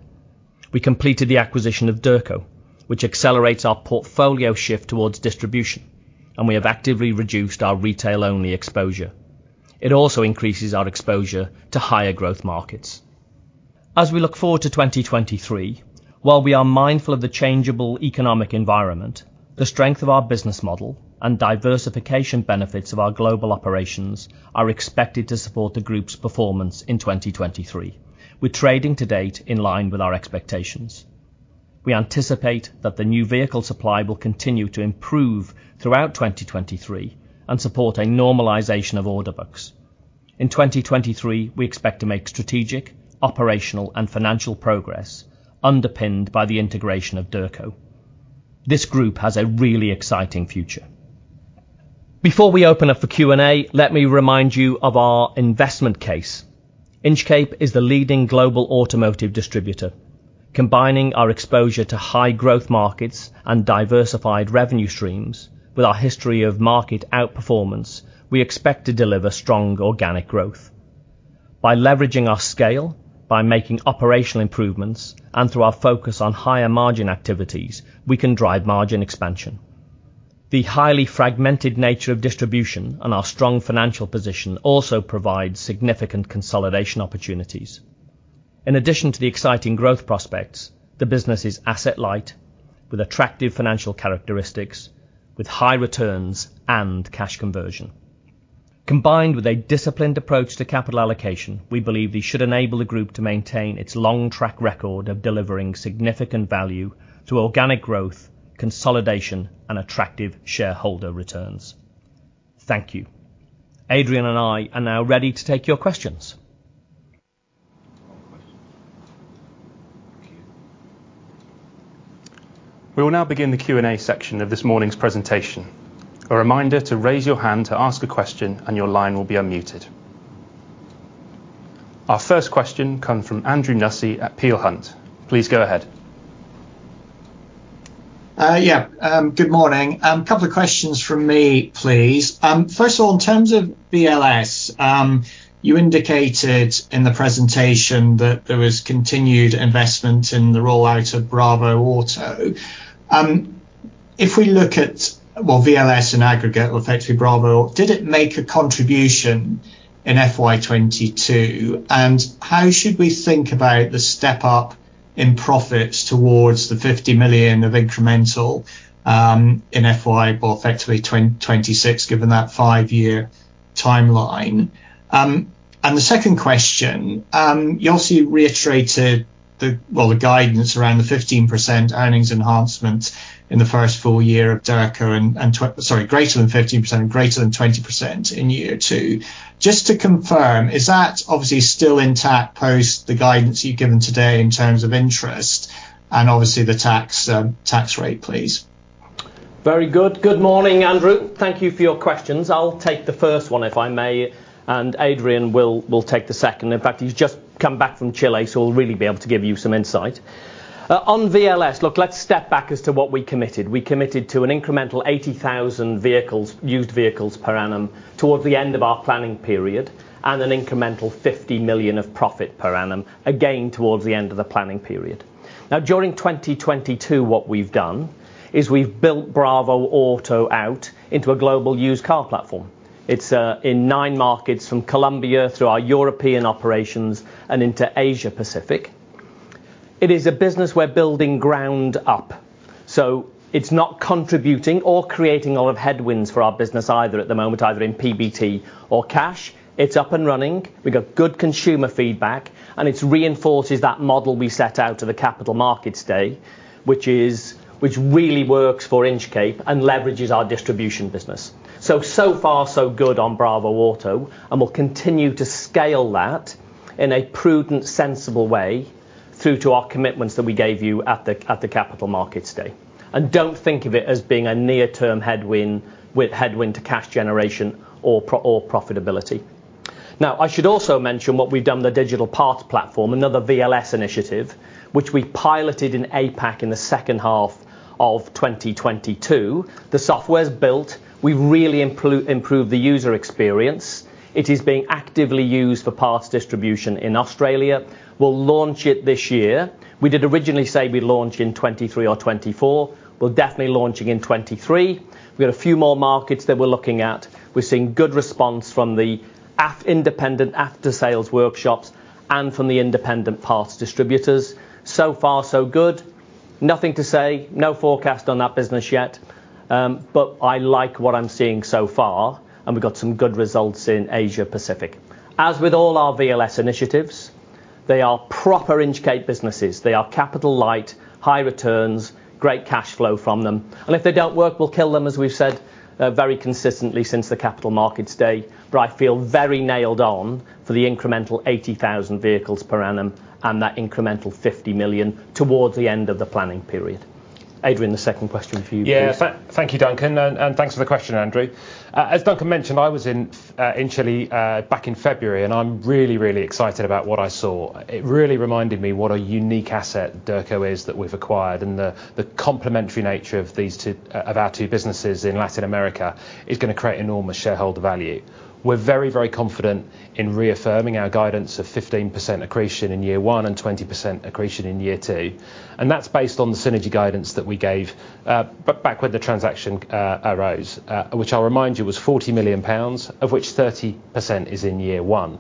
We completed the acquisition of Derco, which accelerates our portfolio shift towards distribution, and we have actively reduced our retail-only exposure. It also increases our exposure to higher growth markets. As we look forward to 2023, while we are mindful of the changeable economic environment, the strength of our business model and diversification benefits of our global operations are expected to support the group's performance in 2023. We're trading to date in line with our expectations. We anticipate that the new vehicle supply will continue to improve throughout 2023 and support a normalization of order books. In 2023, we expect to make strategic, operational, and financial progress underpinned by the integration of Derco. This group has a really exciting future. Before we open up for Q&A, let me remind you of our investment case. Inchcape is the leading global automotive distributor. Combining our exposure to high growth markets and diversified revenue streams with our history of market outperformance, we expect to deliver strong organic growth. By leveraging our scale, by making operational improvements, and through our focus on higher margin activities, we can drive margin expansion. The highly fragmented nature of distribution and our strong financial position also provides significant consolidation opportunities. In addition to the exciting growth prospects, the business is asset light with attractive financial characteristics, with high returns and cash conversion. Combined with a disciplined approach to capital allocation, we believe this should enable the Group to maintain its long track record of delivering significant value through organic growth, consolidation, and attractive shareholder returns. Thank you. Adrian and I are now ready to take your questions. We will now begin the Q&A section of this morning's presentation. A reminder to raise your hand to ask a question. Your line will be unmuted. Our first question come from Andrew Nussey at Peel Hunt. Please go ahead. Yeah. Good morning. A couple of questions from me, please. First of all, in terms of VLS, you indicated in the presentation that there was continued investment in the rollout of bravoauto. If we look at, well, VLS in aggregate or effectively bravoauto, did it make a contribution in FY 2022? How should we think about the step-up in profits towards the 50 million of incremental in FY, or effectively 2026, given that five-year timeline? The second question, you also reiterated the, well, the guidance around the 15% earnings enhancement in the first full year of Derco, sorry, greater than 15%, greater than 20% in year two. Just to confirm, is that obviously still intact post the guidance you've given today in terms of interest and obviously the tax rate, please? Very good. Good morning, Andrew. Thank you for your questions. I'll take the first one, if I may, and Adrian will take the second. In fact, he's just come back from Chile, so he'll really be able to give you some insight. On VLS, look, let's step back as to what we committed. We committed to an incremental 80,000 vehicles, used vehicles per annum towards the end of our planning period, and an incremental 50 million of profit per annum, again, towards the end of the planning period. Now, during 2022, what we've done is we've built bravoauto out into a global used car platform. It's in 9 markets from Colombia through our European operations and into Asia Pacific. It is a business we're building ground up. It's not contributing or creating a lot of headwinds for our business either at the moment, either in PBT or cash. It's up and running. We've got good consumer feedback. It reinforces that model we set out to the Capital Markets Day, which really works for Inchcape and leverages our distribution business. So far, so good on bravoauto. We'll continue to scale that in a prudent, sensible way through to our commitments that we gave you at the Capital Markets Day. Don't think of it as being a near-term headwind with headwind to cash generation or profitability. Now, I should also mention what we've done with the digital parts platform, another VLS initiative, which we piloted in APAC in the second half of 2022. The software's built. We've really improved the user experience. It is being actively used for parts distribution in Australia. We'll launch it this year. We did originally say we'd launch in 2023 or 2024. We're definitely launching in 2023. We've got a few more markets that we're looking at. We're seeing good response from the independent aftersales workshops and from the independent parts distributors. Far, so good. Nothing to say. No forecast on that business yet. I like what I'm seeing so far, we've got some good results in Asia Pacific. As with all our VLS initiatives, they are proper Inchcape businesses. They are capital light, high returns, great cash flow from them. If they don't work, we'll kill them, as we've said, very consistently since the Capital Markets Day. I feel very nailed on for the incremental 80,000 vehicles per annum and that incremental 50 million towards the end of the planning period. Adrian, the second question for you. Yeah. Thank you, Duncan, and thanks for the question, Andrew. As Duncan mentioned, I was in Chile back in February, and I'm really, really excited about what I saw. It really reminded me what a unique asset Derco is that we've acquired, and the complementary nature of our two businesses in Latin America is gonna create enormous shareholder value. We're very, very confident in reaffirming our guidance of 15% accretion in year one and 20% accretion in year two, and that's based on the synergy guidance that we gave back when the transaction arose, which I'll remind you was 40 million pounds, of which 30% is in year one.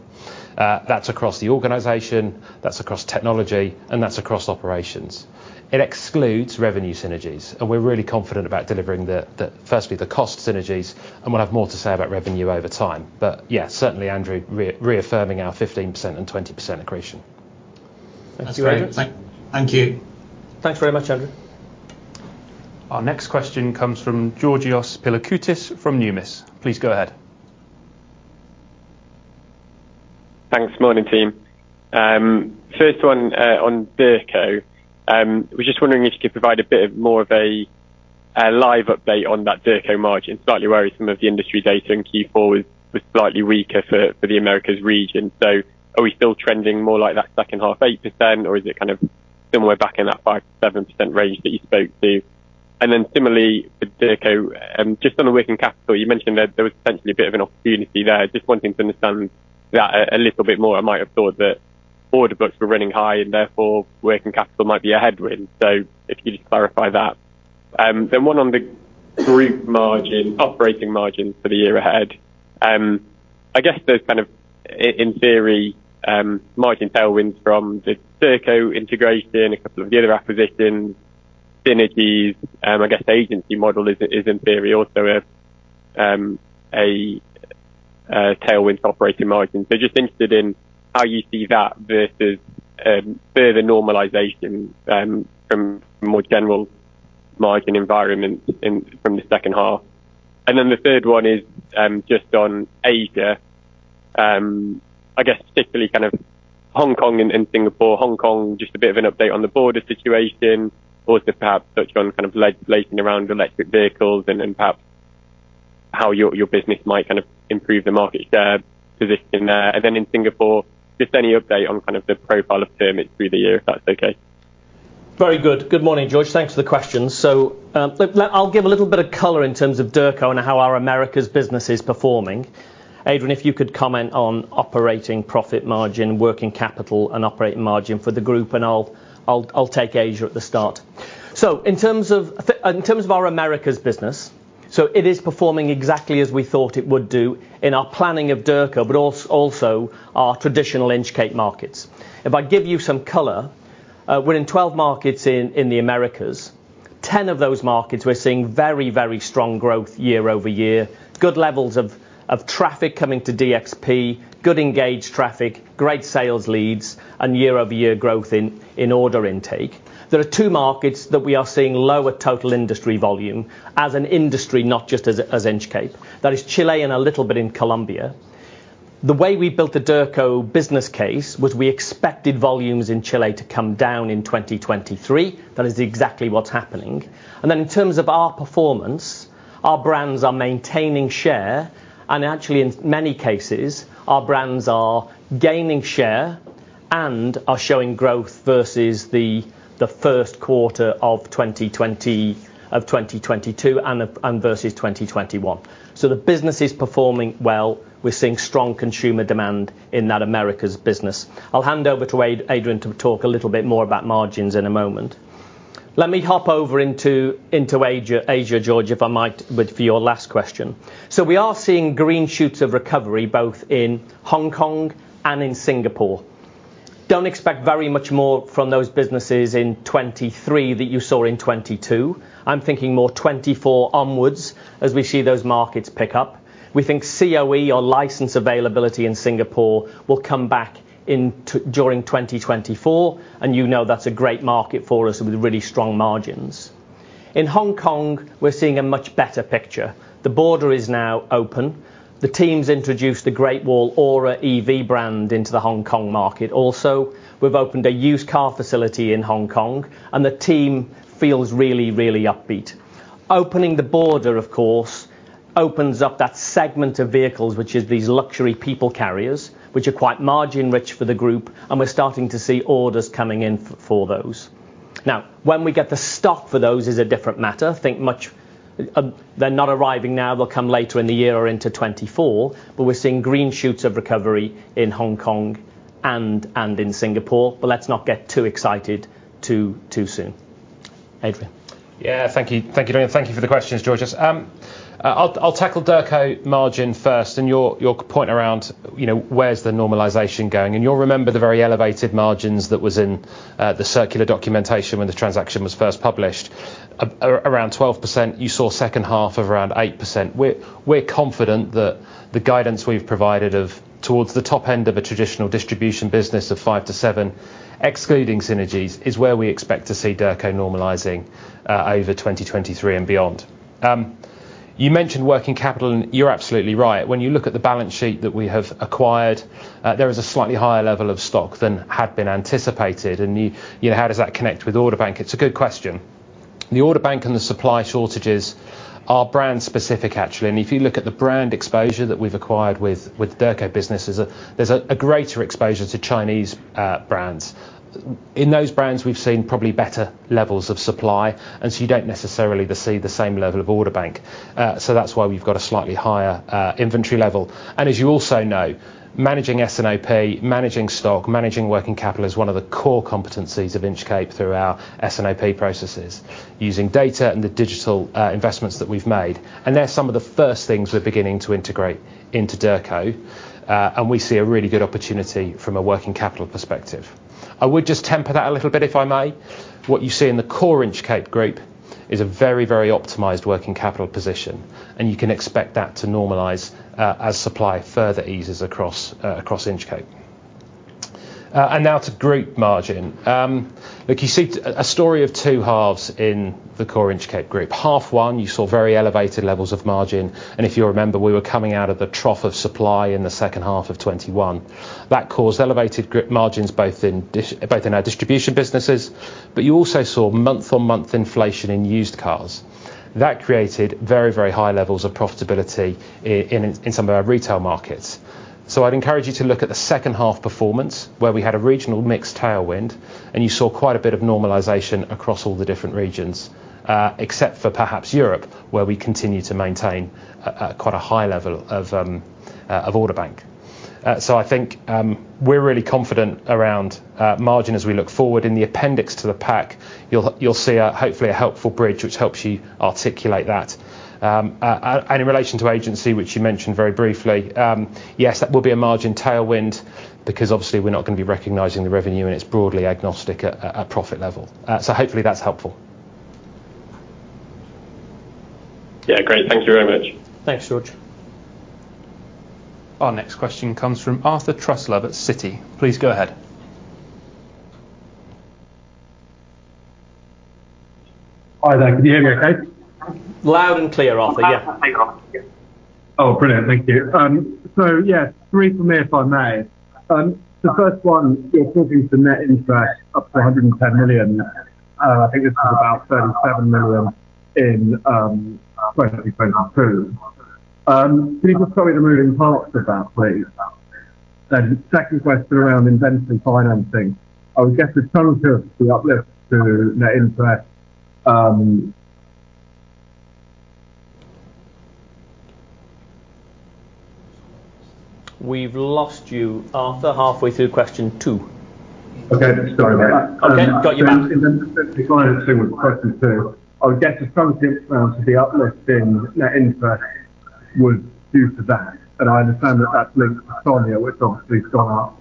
That's across the organization, that's across technology, and that's across operations. It excludes revenue synergies, and we're really confident about delivering the, firstly, the cost synergies, and we'll have more to say about revenue over time. Yeah, certainly, Andrew, reaffirming our 15% and 20% accretion. Thanks, Adrian. That's great. thank you. Thanks very much, Andrew. Our next question comes from Georgios Pilakoutas from Numis. Please go ahead. Thanks. Morning, team. First one on Derco. Was just wondering if you could provide a bit more of a live update on that Derco margin. Slightly worried some of the industry data in Q4 was slightly weaker for the Americas region. Are we still trending more like that second half 8%, or is it kind of somewhere back in that 5%-7% range that you spoke to? Similarly with Derco, just on the working capital, you mentioned that there was potentially a bit of an opportunity there. Just wanting to understand that a little bit more. I might have thought that order books were running high and therefore working capital might be a headwind. If you could just clarify that. One on the group margin, operating margin for the year ahead. I guess there's kind of in theory, margin tailwinds from the Derco integration, a couple of the other acquisitions, synergies, I guess the agency model is in theory also a tailwind to operating margins. Just interested in how you see that versus further normalization from more general margin environment in, from the second half. The third one is just on Asia. I guess particularly kind of Hong Kong and Singapore. Hong Kong, just a bit of an update on the border situation. Also perhaps touch on kind of legislation around electric vehicles and perhaps how your business might kind of improve the market share position there. In Singapore just any update on kind of the profile of permits through the year, if that's okay. Very good. Good morning, Georgios. Thanks for the questions. I'll give a little bit of color in terms of Derco and how our Americas business is performing. Adrian, if you could comment on operating profit margin, working capital and operating margin for the group, and I'll take Asia at the start. In terms of our Americas business, it is performing exactly as we thought it would do in our planning of Derco, but also our traditional Inchcape markets. If I give you some color, we're in 12 markets in the Americas. 10 of those markets we're seeing very strong growth year-over-year. Good levels of traffic coming to DXP, good engaged traffic, great sales leads and year-over-year growth in order intake. There are 2 markets that we are seeing lower total industry volume as an industry, not just as Inchcape. That is Chile and a little bit in Colombia. The way we built the Derco business case was we expected volumes in Chile to come down in 2023. That is exactly what's happening. In terms of our performance, our brands are maintaining share, and actually, in many cases, our brands are gaining share and are showing growth versus the first quarter of 2022 and versus 2021. The business is performing well. We're seeing strong consumer demand in that America's business. I'll hand over to Adrian to talk a little bit more about margins in a moment. Let me hop over into Asia, Georgios, if I might, for your last question. We are seeing green shoots of recovery both in Hong Kong and in Singapore. Don't expect very much more from those businesses in 2023 that you saw in 2022. I'm thinking more 2024 onwards as we see those markets pick up. We think COE or license availability in Singapore will come back during 2024, and you know that's a great market for us with really strong margins. In Hong Kong, we're seeing a much better picture. The border is now open. The team's introduced the Great Wall ORA EV brand into the Hong Kong market. Also, we've opened a used car facility in Hong Kong, and the team feels really, really upbeat. Opening the border, of course, opens up that segment of vehicles, which is these luxury people carriers, which are quite margin rich for the group, and we're starting to see orders coming in for those. Now, when we get the stock for those is a different matter. I think much, they're not arriving now. They'll come later in the year or into 2024, we're seeing green shoots of recovery in Hong Kong and in Singapore. Let's not get too excited too soon. Adrian. Thank you. Thank you for the questions, George. I'll tackle Derco margin first and your point around, you know, where's the normalization going. You'll remember the very elevated margins that was in the circular documentation when the transaction was first published. around 12%, you saw second half of around 8%. We're confident that the guidance we've provided of towards the top end of a traditional distribution business of 5-7, excluding synergies, is where we expect to see Derco normalizing over 2023 and beyond. You mentioned working capital, and you're absolutely right. When you look at the balance sheet that we have acquired, there is a slightly higher level of stock than had been anticipated. You know, how does that connect with Autobank? It's a good question. The Autobank and the supply shortages are brand specific, actually. If you look at the brand exposure that we've acquired with Derco businesses, there's a greater exposure to Chinese brands. In those brands, we've seen probably better levels of supply, and so you don't necessarily see the same level of Autobank. So that's why we've got a slightly higher inventory level. As you also know, managing SNOP, managing stock, managing working capital is one of the core competencies of Inchcape through our SNOP processes using data and the digital investments that we've made. They're some of the first things we're beginning to integrate into Derco. We see a really good opportunity from a working capital perspective. I would just temper that a little bit, if I may. What you see in the core Inchcape Group is a very optimized working capital position, and you can expect that to normalize as supply further eases across Inchcape. Now to group margin. Look, you see a story of two halves in the core Inchcape Group. Half 1, you saw very elevated levels of margin. If you remember, we were coming out of the trough of supply in the second half of 2021. That caused elevated group margins, both in our distribution businesses, but you also saw month-on-month inflation in used cars. That created very high levels of profitability in some of our retail markets. I'd encourage you to look at the second half performance where we had a regional mix tailwind, and you saw quite a bit of normalization across all the different regions, except for perhaps Europe, where we continue to maintain quite a high level of order bank. I think, we're really confident around margin as we look forward. In the appendix to the pack, you'll see a hopefully a helpful bridge which helps you articulate that. In relation to agency, which you mentioned very briefly, yes, that will be a margin tailwind because obviously we're not gonna be recognizing the revenue, and it's broadly agnostic at profit level. Hopefully that's helpful. Yeah, great. Thank you very much. Thanks, George. Our next question comes from Arthur Truslove at Citi. Please go ahead. Hi there. Can you hear me okay? Loud and clear, Arthur. Yeah. Oh, brilliant. Thank you. Yeah, 3 from me if I may. The first one, you're talking to net interest up to 110 million. I think this is about 37 million in 2022. Can you just tell me the moving parts of that please? Second question around inventory financing. I would guess the total to the uplift to net interest... We've lost you, Arthur, halfway through question two. Okay. Sorry about that. Okay. Got you back. Inventory financing was question two. I would guess the total to the uplift in net interest would do for that. I understand that that's linked to SONIA, which obviously has gone up.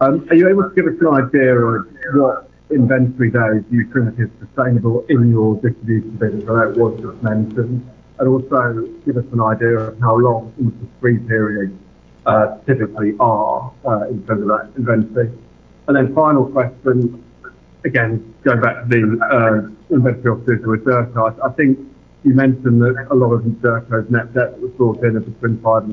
Are you able to give us an idea of what inventory days you think is sustainable in your distribution business without what you've mentioned, and also give us an idea of how long the free periods typically are in terms of that inventory? Final question, again, going back to the inventory offices with Derco. I think you mentioned that a lot of Derco's net debt was brought in between 500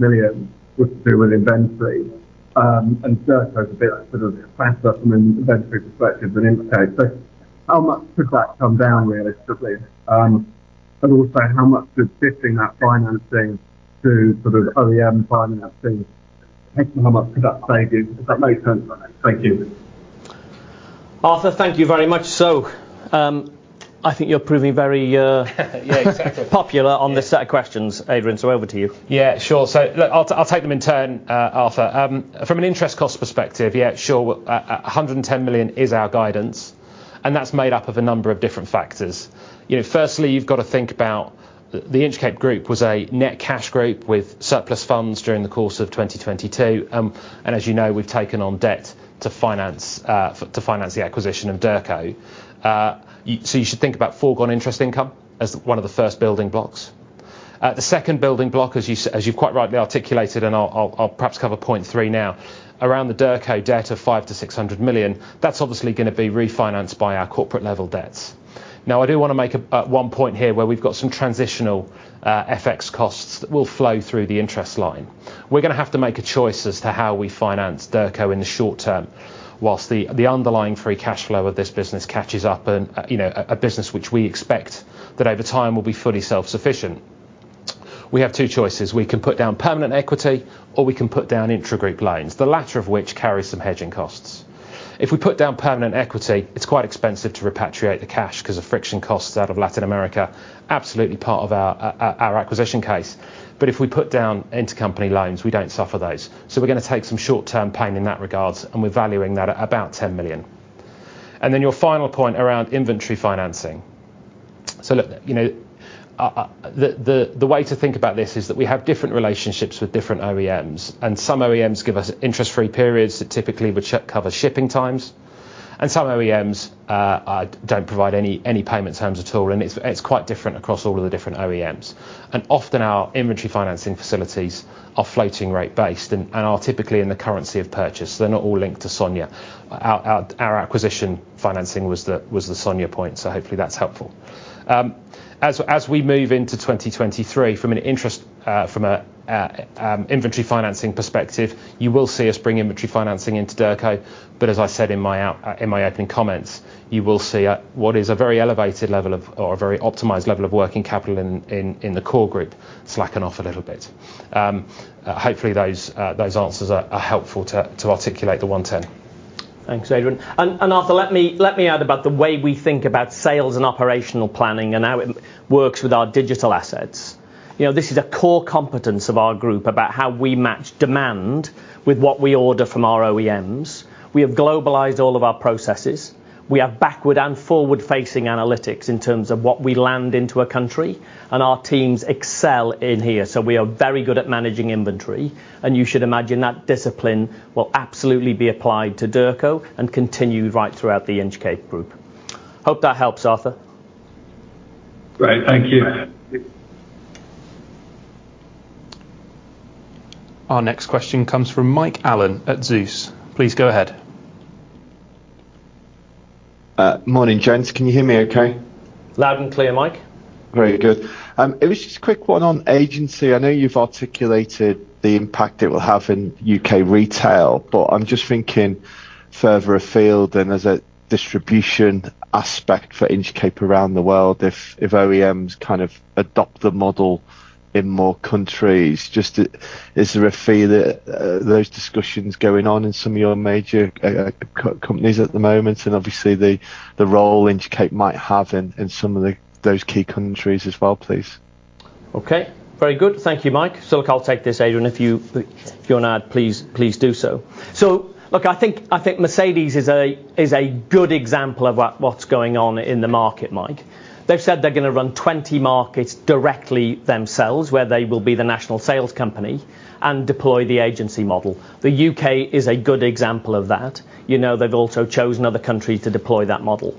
million and 600 million was to do with inventory. Derco is a bit, sort of, faster from an inventory perspective than Inchcape. How much could that come down realistically? Also how much could shifting that financing to sort of OEM financing, how much could that save you, if that makes sense? Thank you. Arthur, thank you very much. I think you're proving very popular on this set of questions, Adrian. Over to you. Sure. Look, I'll take them in turn, Arthur. From an interest cost perspective, sure. 110 million is our guidance, and that's made up of a number of different factors. You know, firstly, you've got to think about the Inchcape group was a net cash group with surplus funds during the course of 2022. As you know, we've taken on debt to finance the acquisition of Derco. You should think about foregone interest income as one of the first building blocks. The second building block, as you've quite rightly articulated, and I'll perhaps cover point 3 now, around the Derco debt of 500 million-600 million, that's obviously gonna be refinanced by our corporate level debts. I do wanna make 1 point here where we've got some transitional FX costs that will flow through the interest line. We're gonna have to make a choice as to how we finance Derco in the short term, whilst the underlying free cash flow of this business catches up and, you know, a business which we expect that over time will be fully self-sufficient. We have 2 choices: We can put down permanent equity or we can put down intra-group loans, the latter of which carries some hedging costs. If we put down permanent equity, it's quite expensive to repatriate the cash 'cause of friction costs out of Latin America. Absolutely part of our acquisition case. If we put down intercompany loans, we don't suffer those. We're gonna take some short-term pain in that regards, and we're valuing that at about 10 million. Your final point around inventory financing. Look, you know, the way to think about this is that we have different relationships with different OEMs, and some OEMs give us interest-free periods that typically would cover shipping times, and some OEMs don't provide any payment terms at all, and it's quite different across all of the different OEMs. Often our inventory financing facilities are floating rate based and are typically in the currency of purchase. They're not all linked to SONIA. Our acquisition financing was the SONIA point, so hopefully that's helpful. As we move into 2023 from an interest, from a inventory financing perspective, you will see us bring inventory financing into Derco. As I said in my opening comments, you will see a, what is a very elevated level of, or a very optimized level of working capital in the core group slacking off a little bit. Hopefully those answers are helpful to articulate the 110. Thanks, Adrian. Arthur, let me add about the way we think about sales and operational planning and how it works with our digital assets. You know, this is a core competence of our group about how we match demand with what we order from our OEMs. We have globalized all of our processes. We have backward and forward-facing analytics in terms of what we land into a country, and our teams excel in here. We are very good at managing inventory, and you should imagine that discipline will absolutely be applied to Derco and continue right throughout the Inchcape group. Hope that helps, Arthur. Great. Thank you. Our next question comes from Mike Allen at Zeus. Please go ahead. Morning, gents. Can you hear me okay? Loud and clear, Mike. Very good. It was just a quick one on agency. I know you've articulated the impact it will have in UK retail, but I'm just thinking further afield, and there's a distribution aspect for Inchcape around the world, if OEMs kind of adopt the model in more countries. Just is there a feel that those discussions going on in some of your major companies at the moment, and obviously the role Inchcape might have in some of those key countries as well, please? Okay. Very good. Thank you, Mike. Look, I'll take this, Adrian. If you, if you want to add, please do so. Look, I think Mercedes is a good example of what's going on in the market, Mike. They've said they're going to run 20 markets directly themselves, where they will be the national sales company and deploy the agency model. The U.K. is a good example of that. You know, they've also chosen other countries to deploy that model.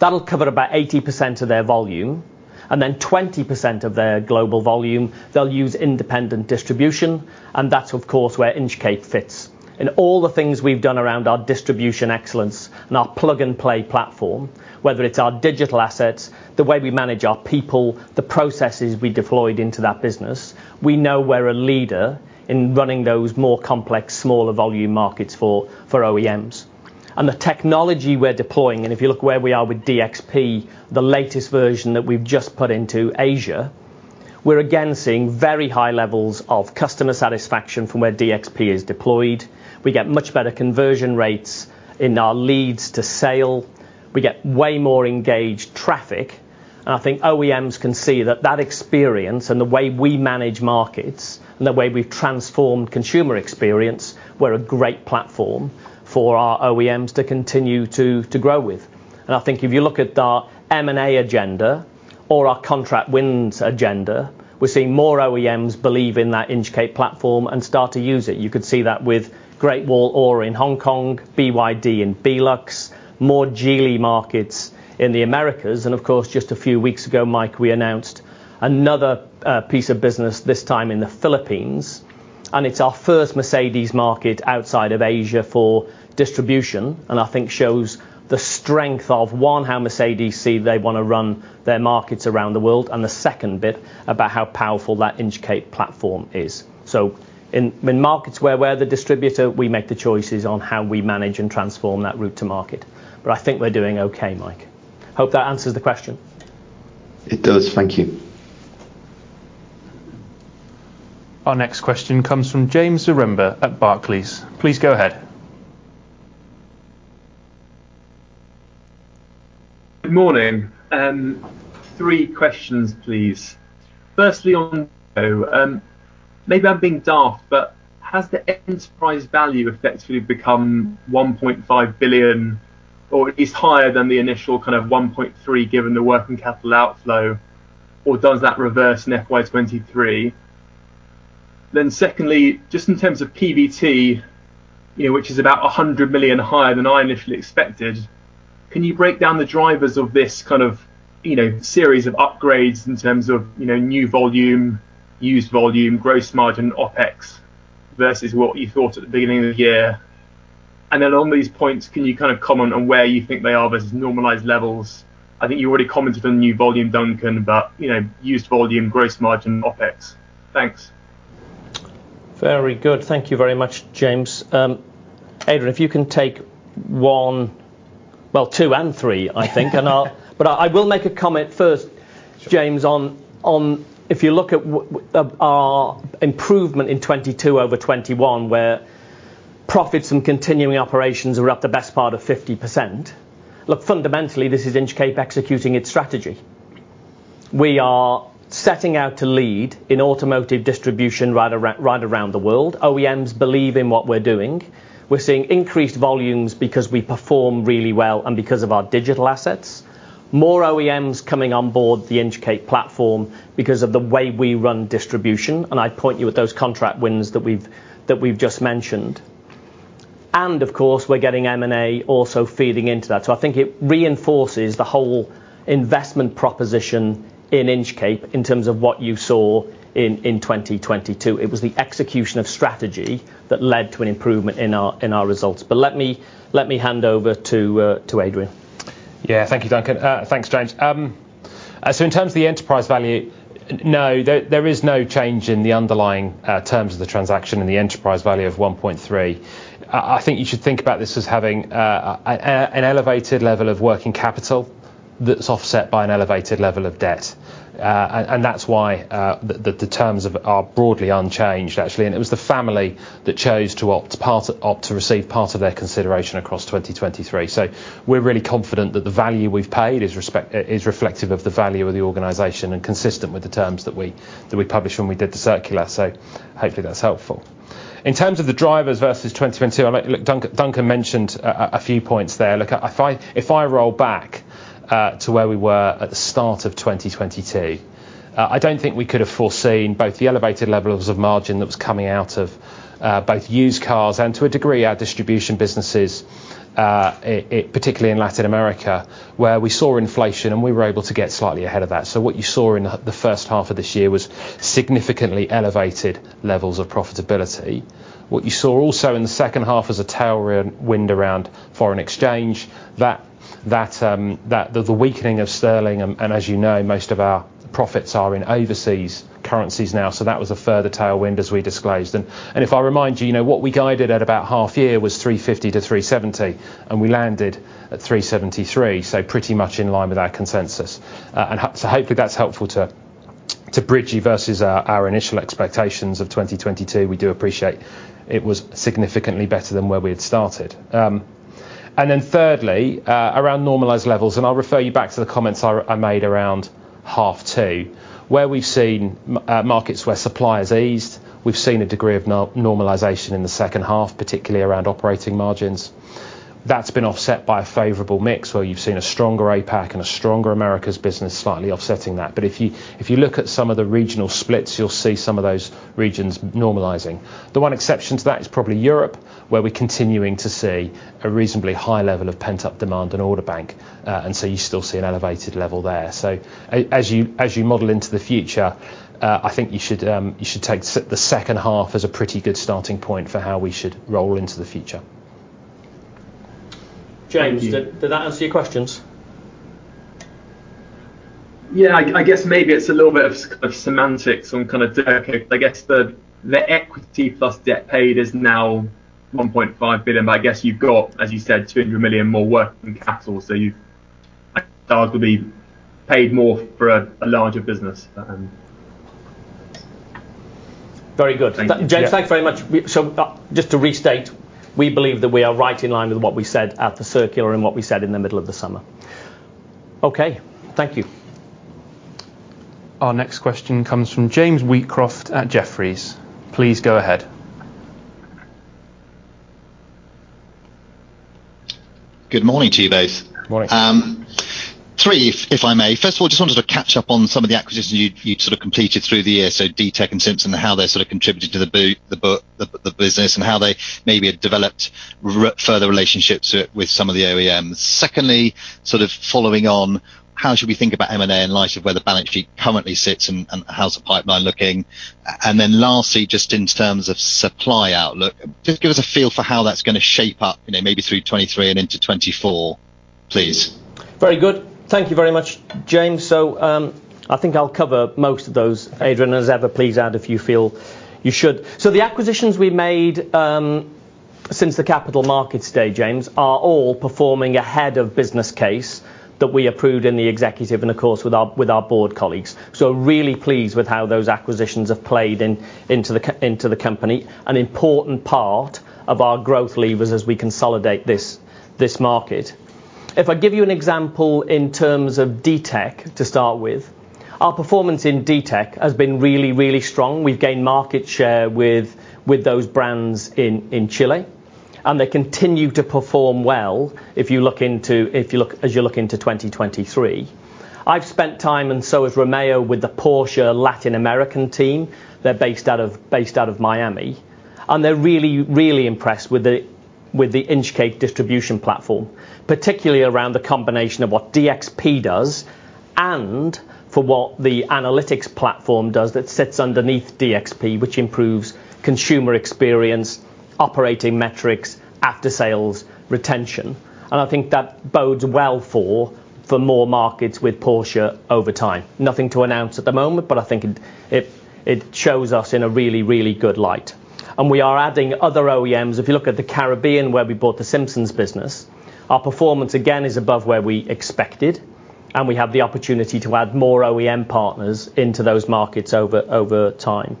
That will cover about 80% of their volume, and then 20% of their global volume they'll use independent distribution, and that's, of course, where Inchcape fits. In all the things we've done around our distribution excellence and our plug-and-play platform, whether it's our digital assets, the way we manage our people, the processes we deployed into that business, we know we're a leader in running those more complex, smaller volume markets for OEMs. The technology we're deploying, and if you look where we are with DXP, the latest version that we've just put into Asia, we're again seeing very high levels of customer satisfaction from where DXP is deployed. We get much better conversion rates in our leads to sale. We get way more engaged traffic. I think OEMs can see that experience and the way we manage markets and the way we've transformed consumer experience, we're a great platform for our OEMs to continue to grow with. I think if you look at our M&A agenda or our contract wins agenda, we're seeing more OEMs believe in that Inchcape platform and start to use it. You could see that with Great Wall or in Hong Kong, BYD and BeLux, more Geely markets in the Americas, and of course, just a few weeks ago, Mike, we announced another piece of business, this time in the Philippines, and it's our first Mercedes market outside of Asia for distribution, and I think shows the strength of, one, how Mercedes see they wanna run their markets around the world, and the second bit about how powerful that Inchcape platform is. In, in markets where we're the distributor, we make the choices on how we manage and transform that route to market. I think we're doing okay, Mike. Hope that answers the question? It does. Thank you. Our next question comes from James Zaremba at Barclays. Please go ahead. Good morning. Three questions, please. Firstly, on maybe I'm being daft, but has the enterprise value effectively become 1.5 billion or is higher than the initial kind of 1.3, given the working capital outflow, or does that reverse in FY 2023? Secondly, just in terms of PBT, you know, which is about 100 million higher than I initially expected, can you break down the drivers of this kind of, you know, series of upgrades in terms of, you know, new volume, used volume, gross margin, OpEx, versus what you thought at the beginning of the year? On these points, can you kind of comment on where you think they are versus normalized levels? I think you already commented on new volume, Duncan, but, you know, used volume, gross margin, OpEx. Thanks. Very good. Thank you very much, James. Adrian, if you can take one, two and three, I think. I will make a comment first, James, on if you look at our improvement in 2022 over 2021, where profits and continuing operations are up the best part of 50%. Look, fundamentally, this is Inchcape executing its strategy. We are setting out to lead in automotive distribution right around the world. OEMs believe in what we're doing. We're seeing increased volumes because we perform really well and because of our digital assets. More OEMs coming on board the Inchcape platform because of the way we run distribution, and I'd point you at those contract wins that we've just mentioned. Of course, we're getting M&A also feeding into that. I think it reinforces the whole investment proposition in Inchcape in terms of what you saw in 2022. It was the execution of strategy that led to an improvement in our results. Let me hand over to Adrian. Yeah. Thank you, Duncan. Thanks, James. In terms of the enterprise value, no, there is no change in the underlying terms of the transaction and the enterprise value of 1.3. I think you should think about this as having an elevated level of working capital that's offset by an elevated level of debt. And that's why the terms of it are broadly unchanged, actually. It was the family that chose to opt to receive part of their consideration across 2023. So we're really confident that the value we've paid is reflective of the value of the organization and consistent with the terms that we published when we did the circular. So hopefully that's helpful. In terms of the drivers versus 2022, Look, Duncan mentioned a few points there. Look, if I roll back To where we were at the start of 2022. I don't think we could have foreseen both the elevated levels of margin that was coming out of both used cars and, to a degree, our distribution businesses, particularly in Latin America, where we saw inflation, and we were able to get slightly ahead of that. What you saw in the first half of this year was significantly elevated levels of profitability. What you saw also in the second half was a tailwind around foreign exchange, that, the weakening of sterling and as you know, most of our profits are in overseas currencies now. That was a further tailwind as we disclosed. If I remind you know, what we guided at about half year was 350 million-370 million, and we landed at 373 million, so pretty much in line with our consensus. So hopefully that's helpful to bridge you versus our initial expectations of 2022. We do appreciate it was significantly better than where we had started. Then thirdly, around normalized levels, and I'll refer you back to the comments I made around half two, where we've seen markets where supply has eased. We've seen a degree of normalization in the second half, particularly around operating margins. That's been offset by a favorable mix where you've seen a stronger APAC and a stronger Americas business slightly offsetting that. If you look at some of the regional splits, you'll see some of those regions normalizing. The one exception to that is probably Europe, where we're continuing to see a reasonably high level of pent-up demand in order bank. You still see an elevated level there. As you model into the future, I think you should take the second half as a pretty good starting point for how we should roll into the future. James- Thank you. Did that answer your questions? Yeah. I guess maybe it's a little bit of semantics and kinda Okay. I guess the equity plus debt paid is now 1.5 billion, I guess you've got, as you said, 200 million more working capital. I thought it would be paid more for a larger business. Very good. Thank you. James, thanks very much. Just to restate, we believe that we are right in line with what we said at the circular and what we said in the middle of the summer. Okay. Thank you. Our next question comes from James Wheatcroft at Jefferies. Please go ahead. Good morning to you both. Morning. 3 if I may. First of all, just wanted to catch up on some of the acquisitions you'd sort of completed through the year. Ditec and Simpson Motors, how they've sort of contributed to the business and how they maybe have developed further relationships with some of the OEMs. Secondly, sort of following on, how should we think about M&A in light of where the balance sheet currently sits and how's the pipeline looking? Lastly, just in terms of supply outlook, just give us a feel for how that's gonna shape up, you know, maybe through 2023 and into 2024, please. Very good. Thank you very much, James. I think I'll cover most of those. Adrian, as ever, please add if you feel you should. The acquisitions we made since the capital markets day, James, are all performing ahead of business case that we approved in the executive and, of course, with our board colleagues. Really pleased with how those acquisitions have played into the company, an important part of our growth levers as we consolidate this market. I give you an example in terms of Ditec to start with. Our performance in Ditec has been really, really strong. We've gained market share with those brands in Chile, and they continue to perform well as you look into 2023. I've spent time, so has Romeo, with the Porsche Latin American team. They're based out of Miami. They're really impressed with the Inchcape distribution platform, particularly around the combination of what DXP does and for what the analytics platform does that sits underneath DXP, which improves consumer experience, operating metrics, after sales, retention. I think that bodes well for more markets with Porsche over time. Nothing to announce at the moment, I think it shows us in a really good light. We are adding other OEMs. If you look at the Caribbean, where we bought the Simpson Motors business, our performance again is above where we expected, and we have the opportunity to add more OEM partners into those markets over time.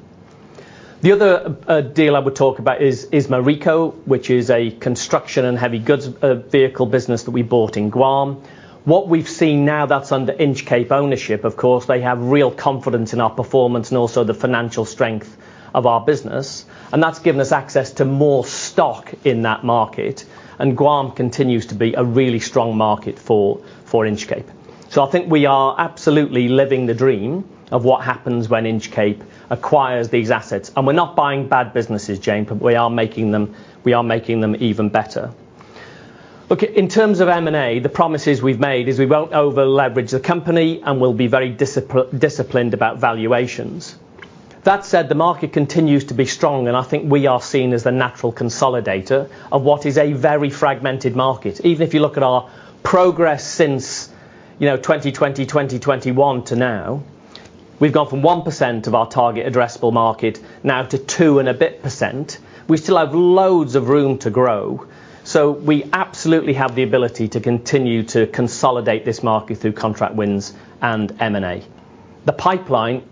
The other deal I would talk about is Morrico, which is a construction and heavy goods vehicle business that we bought in Guam. What we've seen now that's under Inchcape ownership, of course, they have real confidence in our performance and also the financial strength of our business, and that's given us access to more stock in that market. Guam continues to be a really strong market for Inchcape. I think we are absolutely living the dream of what happens when Inchcape acquires these assets. We're not buying bad businesses, James, but we are making them even better. In terms of M&A, the promises we've made is we won't over-leverage the company and we'll be very disciplined about valuations. That said, the market continues to be strong, and I think we are seen as the natural consolidator of what is a very fragmented market. Even if you look at our progress since, you know, 2020, 2021 to now, we've gone from 1% of our target addressable market now to 2% and a bit. We still have loads of room to grow. We absolutely have the ability to continue to consolidate this market through contract wins and M&A. The pipeline,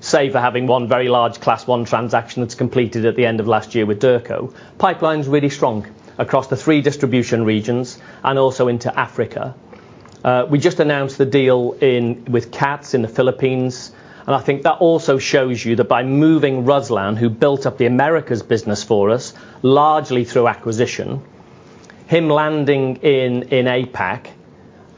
save for having one very large Class 1 transaction that's completed at the end of last year with Derco, pipeline's really strong across the three distribution regions and also into Africa. We just announced the deal with CATS in the Philippines. I think that also shows you that by moving Ruslan, who built up the Americas business for us, largely through acquisition. Him landing in APAC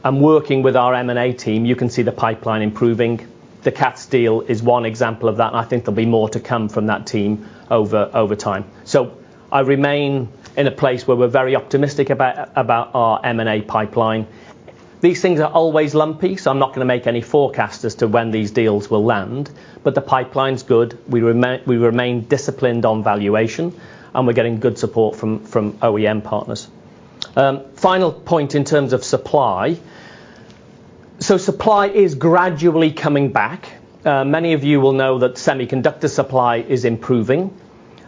and working with our M&A team, you can see the pipeline improving. The CATS deal is one example of that. I think there'll be more to come from that team over time. I remain in a place where we're very optimistic about our M&A pipeline. These things are always lumpy. I'm not gonna make any forecast as to when these deals will land. The pipeline's good. We remain disciplined on valuation. We're getting good support from OEM partners. Final point in terms of supply. Supply is gradually coming back. Many of you will know that semiconductor supply is improving.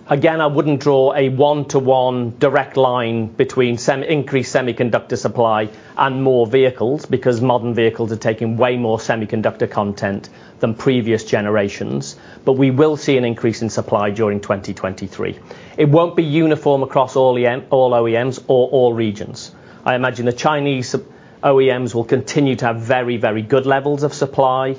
I wouldn't draw a one-to-one direct line between increased semiconductor supply and more vehicles because modern vehicles are taking way more semiconductor content than previous generations. We will see an increase in supply during 2023. It won't be uniform across all OEMs or all regions. I imagine the Chinese OEMs will continue to have very, very good levels of supply,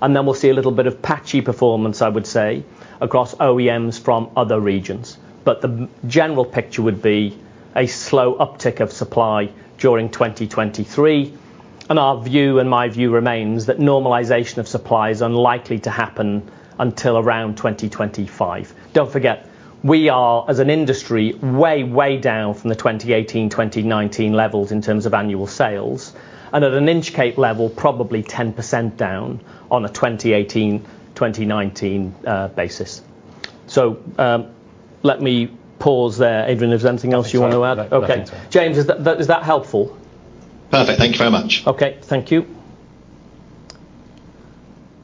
and then we'll see a little bit of patchy performance, I would say, across OEMs from other regions. The general picture would be a slow uptick of supply during 2023. Our view and my view remains that normalization of supply is unlikely to happen until around 2025. Don't forget, we are, as an industry, way down from the 2018, 2019 levels in terms of annual sales. At an Inchcape level, probably 10% down on a 2018, 2019 basis. Let me pause there. Adrian, is there anything else you want to add? That's all. Okay. James, is that helpful? Perfect. Thank you very much. Okay, thank you.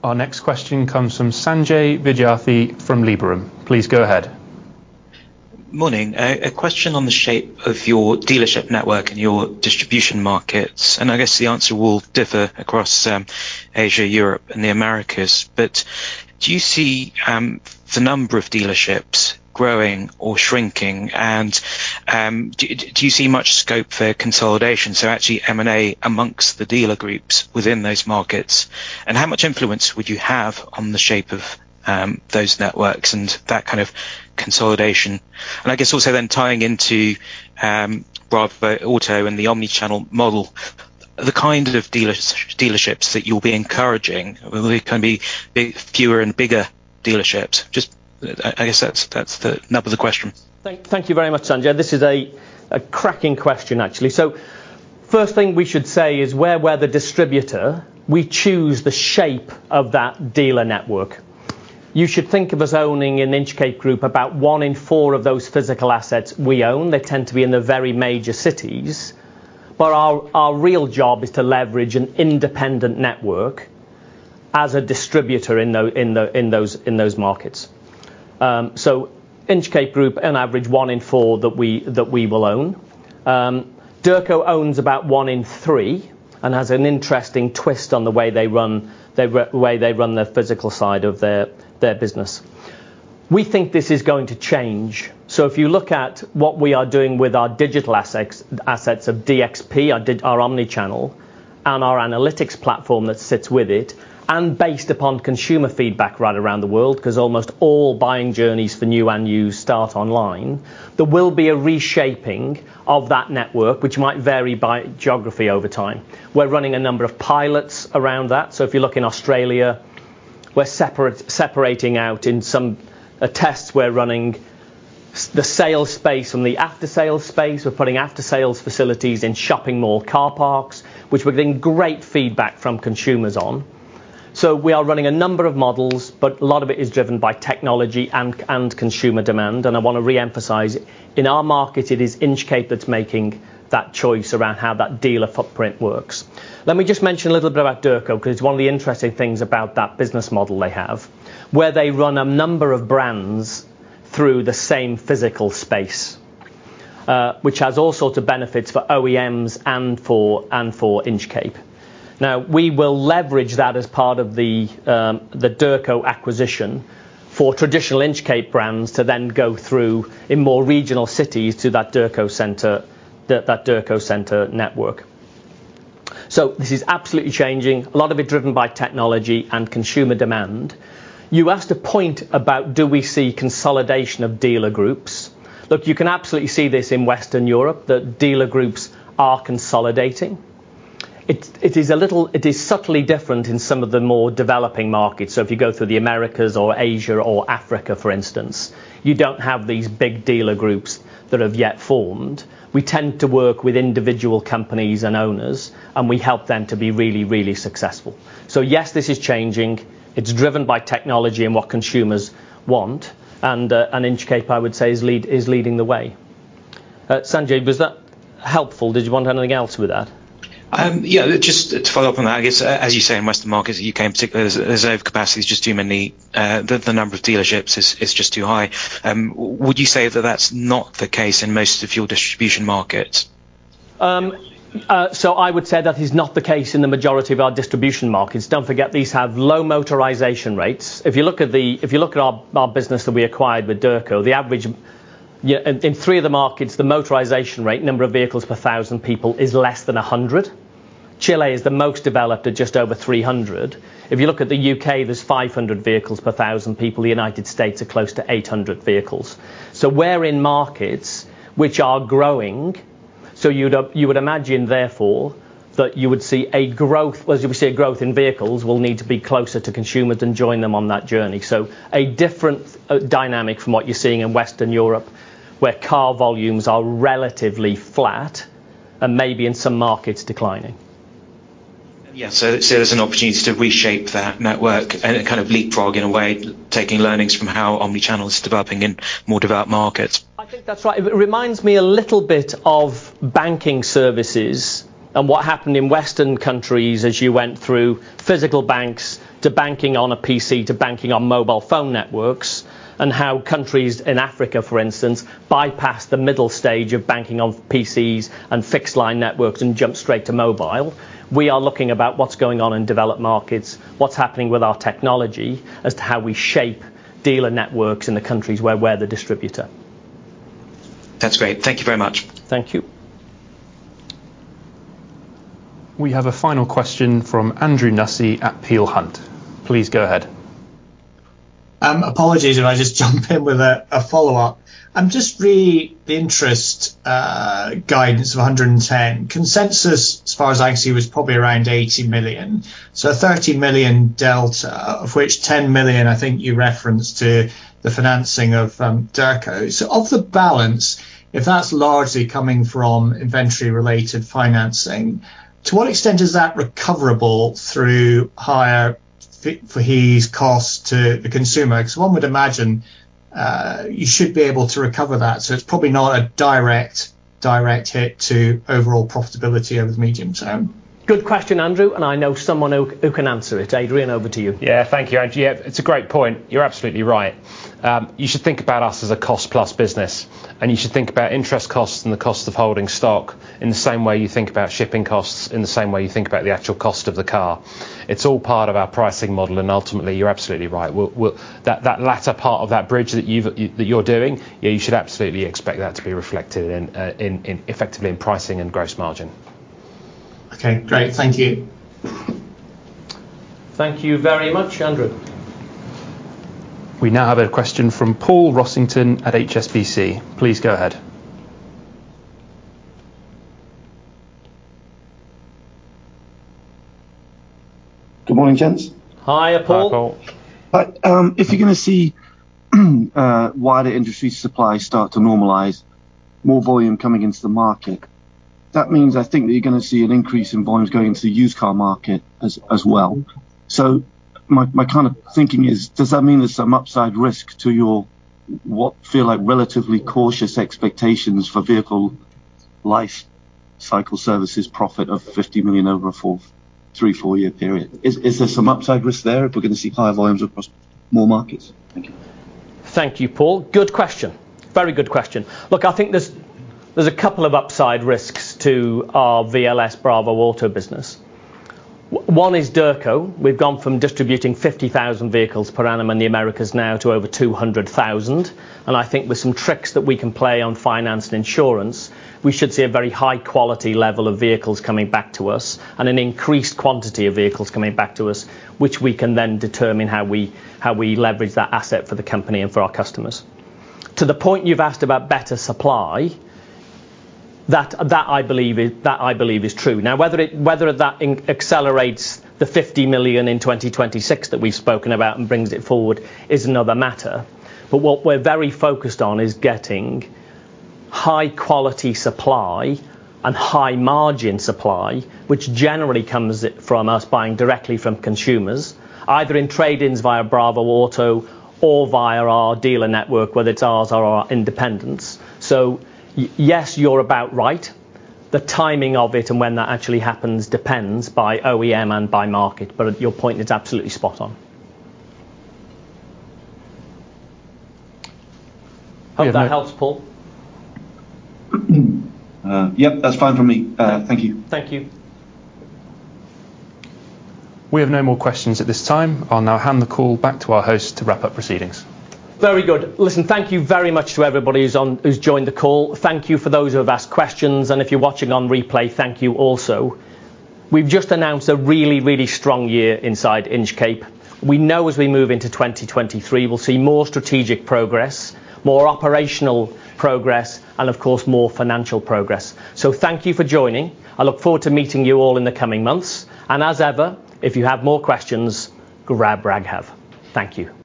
Our next question comes from Sanjay Vidyarthi from Liberum. Please go ahead. Morning. A question on the shape of your dealership network and your distribution markets, and I guess the answer will differ across Asia, Europe, and the Americas. Do you see the number of dealerships growing or shrinking? Do you see much scope for consolidation, so actually M&A amongst the dealer groups within those markets? How much influence would you have on the shape of those networks and that kind of consolidation? I guess also then tying into bravoauto and the omni-channel model, the kind of dealerships that you'll be encouraging, which can be big, fewer, and bigger dealerships. Just I guess that's the nub of the question. Thank you very much, Sanjay. This is a cracking question, actually. First thing we should say is where we're the distributor, we choose the shape of that dealer network. You should think of us owning an Inchcape Group, about one in four of those physical assets we own. They tend to be in the very major cities. Our real job is to leverage an independent network as a distributor in those markets. Inchcape Group, an average one in four that we will own. Derco owns about one in three and has an interesting twist on the way they run their physical side of their business. We think this is going to change. If you look at what we are doing with our digital assets of DXP, our omni-channel and our analytics platform that sits with it, and based upon consumer feedback right around the world, 'cause almost all buying journeys for new and used start online, there will be a reshaping of that network which might vary by geography over time. We're running a number of pilots around that. If you look in Australia, we're separating out in some tests we're running the sales space and the after-sale space. We're putting after-sales facilities in shopping mall car parks, which we're getting great feedback from consumers on. We are running a number of models, but a lot of it is driven by technology and consumer demand. I wanna reemphasize, in our market, it is Inchcape that's making that choice around how that dealer footprint works. Let me just mention a little bit about Derco 'cause one of the interesting things about that business model they have, where they run a number of brands through the same physical space, which has all sorts of benefits for OEMs and for Inchcape. We will leverage that as part of the Derco acquisition for traditional Inchcape brands to then go through in more regional cities to that Derco center network. This is absolutely changing, a lot of it driven by technology and consumer demand. You asked a point about do we see consolidation of dealer groups. Look, you can absolutely see this in Western Europe, that dealer groups are consolidating. It is subtly different in some of the more developing markets. If you go through the Americas or Asia or Africa, for instance, you don't have these big dealer groups that have yet formed. We tend to work with individual companies and owners, and we help them to be really, really successful. Yes, this is changing. It's driven by technology and what consumers want, and Inchcape, I would say, is leading the way. Sanjay, was that helpful? Did you want anything else with that? Just to follow up on that, I guess, as you say, in Western markets, UK in particular, there's overcapacity. There's just too many, the number of dealerships is just too high. Would you say that that's not the case in most of your distribution markets? I would say that is not the case in the majority of our distribution markets. Don't forget, these have low motorization rates. If you look at our business that we acquired with Derco, the average, yeah, in 3 of the markets, the motorization rate, number of vehicles per thousand people is less than 100. Chile is the most developed at just over 300. If you look at the U.K., there's 500 vehicles per thousand people. The United States are close to 800 vehicles. We're in markets which are growing, so you would imagine therefore, that as you would see a growth in vehicles, we'll need to be closer to consumers and join them on that journey. A different dynamic from what you're seeing in Western Europe, where car volumes are relatively flat and maybe in some markets declining. Yeah. There's an opportunity to reshape that network and it kind of leapfrog in a way, taking learnings from how omni-channel is developing in more developed markets. I think that's right. It reminds me a little bit of banking services and what happened in Western countries as you went through physical banks to banking on a PC, to banking on mobile phone networks, and how countries in Africa, for instance, bypassed the middle stage of banking of PCs and fixed line networks and jumped straight to mobile. We are looking about what's going on in developed markets, what's happening with our technology as to how we shape dealer networks in the countries where we're the distributor. That's great. Thank you very much. Thank you. We have a final question from Andrew Nussey at Peel Hunt. Please go ahead. Apologies if I just jump in with a follow-up. Just re: the interest guidance of 110 million. Consensus, as far as I can see, was probably around 80 million. 30 million delta, of which 10 million I think you referenced to the financing of Derco. Of the balance, if that's largely coming from inventory related financing, to what extent is that recoverable through higher fees cost to the consumer? 'Cause one would imagine, you should be able to recover that, so it's probably not a direct hit to overall profitability over the medium term. Good question, Andrew. I know someone who can answer it. Adrian, over to you. Thank you, Andrew. It's a great point. You're absolutely right. You should think about us as a cost plus business. You should think about interest costs and the cost of holding stock in the same way you think about shipping costs, in the same way you think about the actual cost of the car. It's all part of our pricing model. Ultimately, you're absolutely right. We'll That latter part of that bridge that you're doing, yeah, you should absolutely expect that to be reflected in effectively in pricing and gross margin. Okay. Great. Thank you. Thank you very much, Andrew. We now have a question from Paul Rossington at HSBC. Please go ahead. Good morning, gents. Hiya, Paul. Hi, Paul. Right. If you're gonna see wider industry supply start to normalize, more volume coming into the market, that means I think that you're gonna see an increase in volumes going into the used car market as well. My kind of thinking is, does that mean there's some upside risk to your what feel like relatively cautious expectations for vehicle life cycle services profit of 50 million over a 3-4-year period? Is there some upside risk there if we're gonna see higher volumes across more markets? Thank you. Thank you, Paul. Good question. Very good question. Look, I think there's a couple of upside risks to our VLS bravoauto business. One is Derco. We've gone from distributing 50,000 vehicles per annum in the Americas now to over 200,000. I think with some tricks that we can play on finance and insurance, we should see a very high quality level of vehicles coming back to us and an increased quantity of vehicles coming back to us, which we can then determine how we leverage that asset for the company and for our customers. To the point you've asked about better supply, that I believe is true. Whether that accelerates the 50 million in 2026 that we've spoken about and brings it forward is another matter. What we're very focused on is getting high quality supply and high margin supply, which generally comes from us buying directly from consumers, either in trade-ins via bravoauto or via our dealer network, whether it's ours or our independents. Yes, you're about right. The timing of it and when that actually happens depends by OEM and by market. Your point, it's absolutely spot on. Hope that helps, Paul. Yep. That's fine for me. Thank you. Thank you. We have no more questions at this time. I'll now hand the call back to our host to wrap up proceedings. Very good. Listen, thank you very much to everybody who's joined the call. Thank you for those who have asked questions. If you're watching on replay, thank you also. We've just announced a really, really strong year inside Inchcape. We know as we move into 2023, we'll see more strategic progress, more operational progress, and of course, more financial progress. Thank you for joining. I look forward to meeting you all in the coming months. As ever, if you have more questions, grab Raghav. Thank you.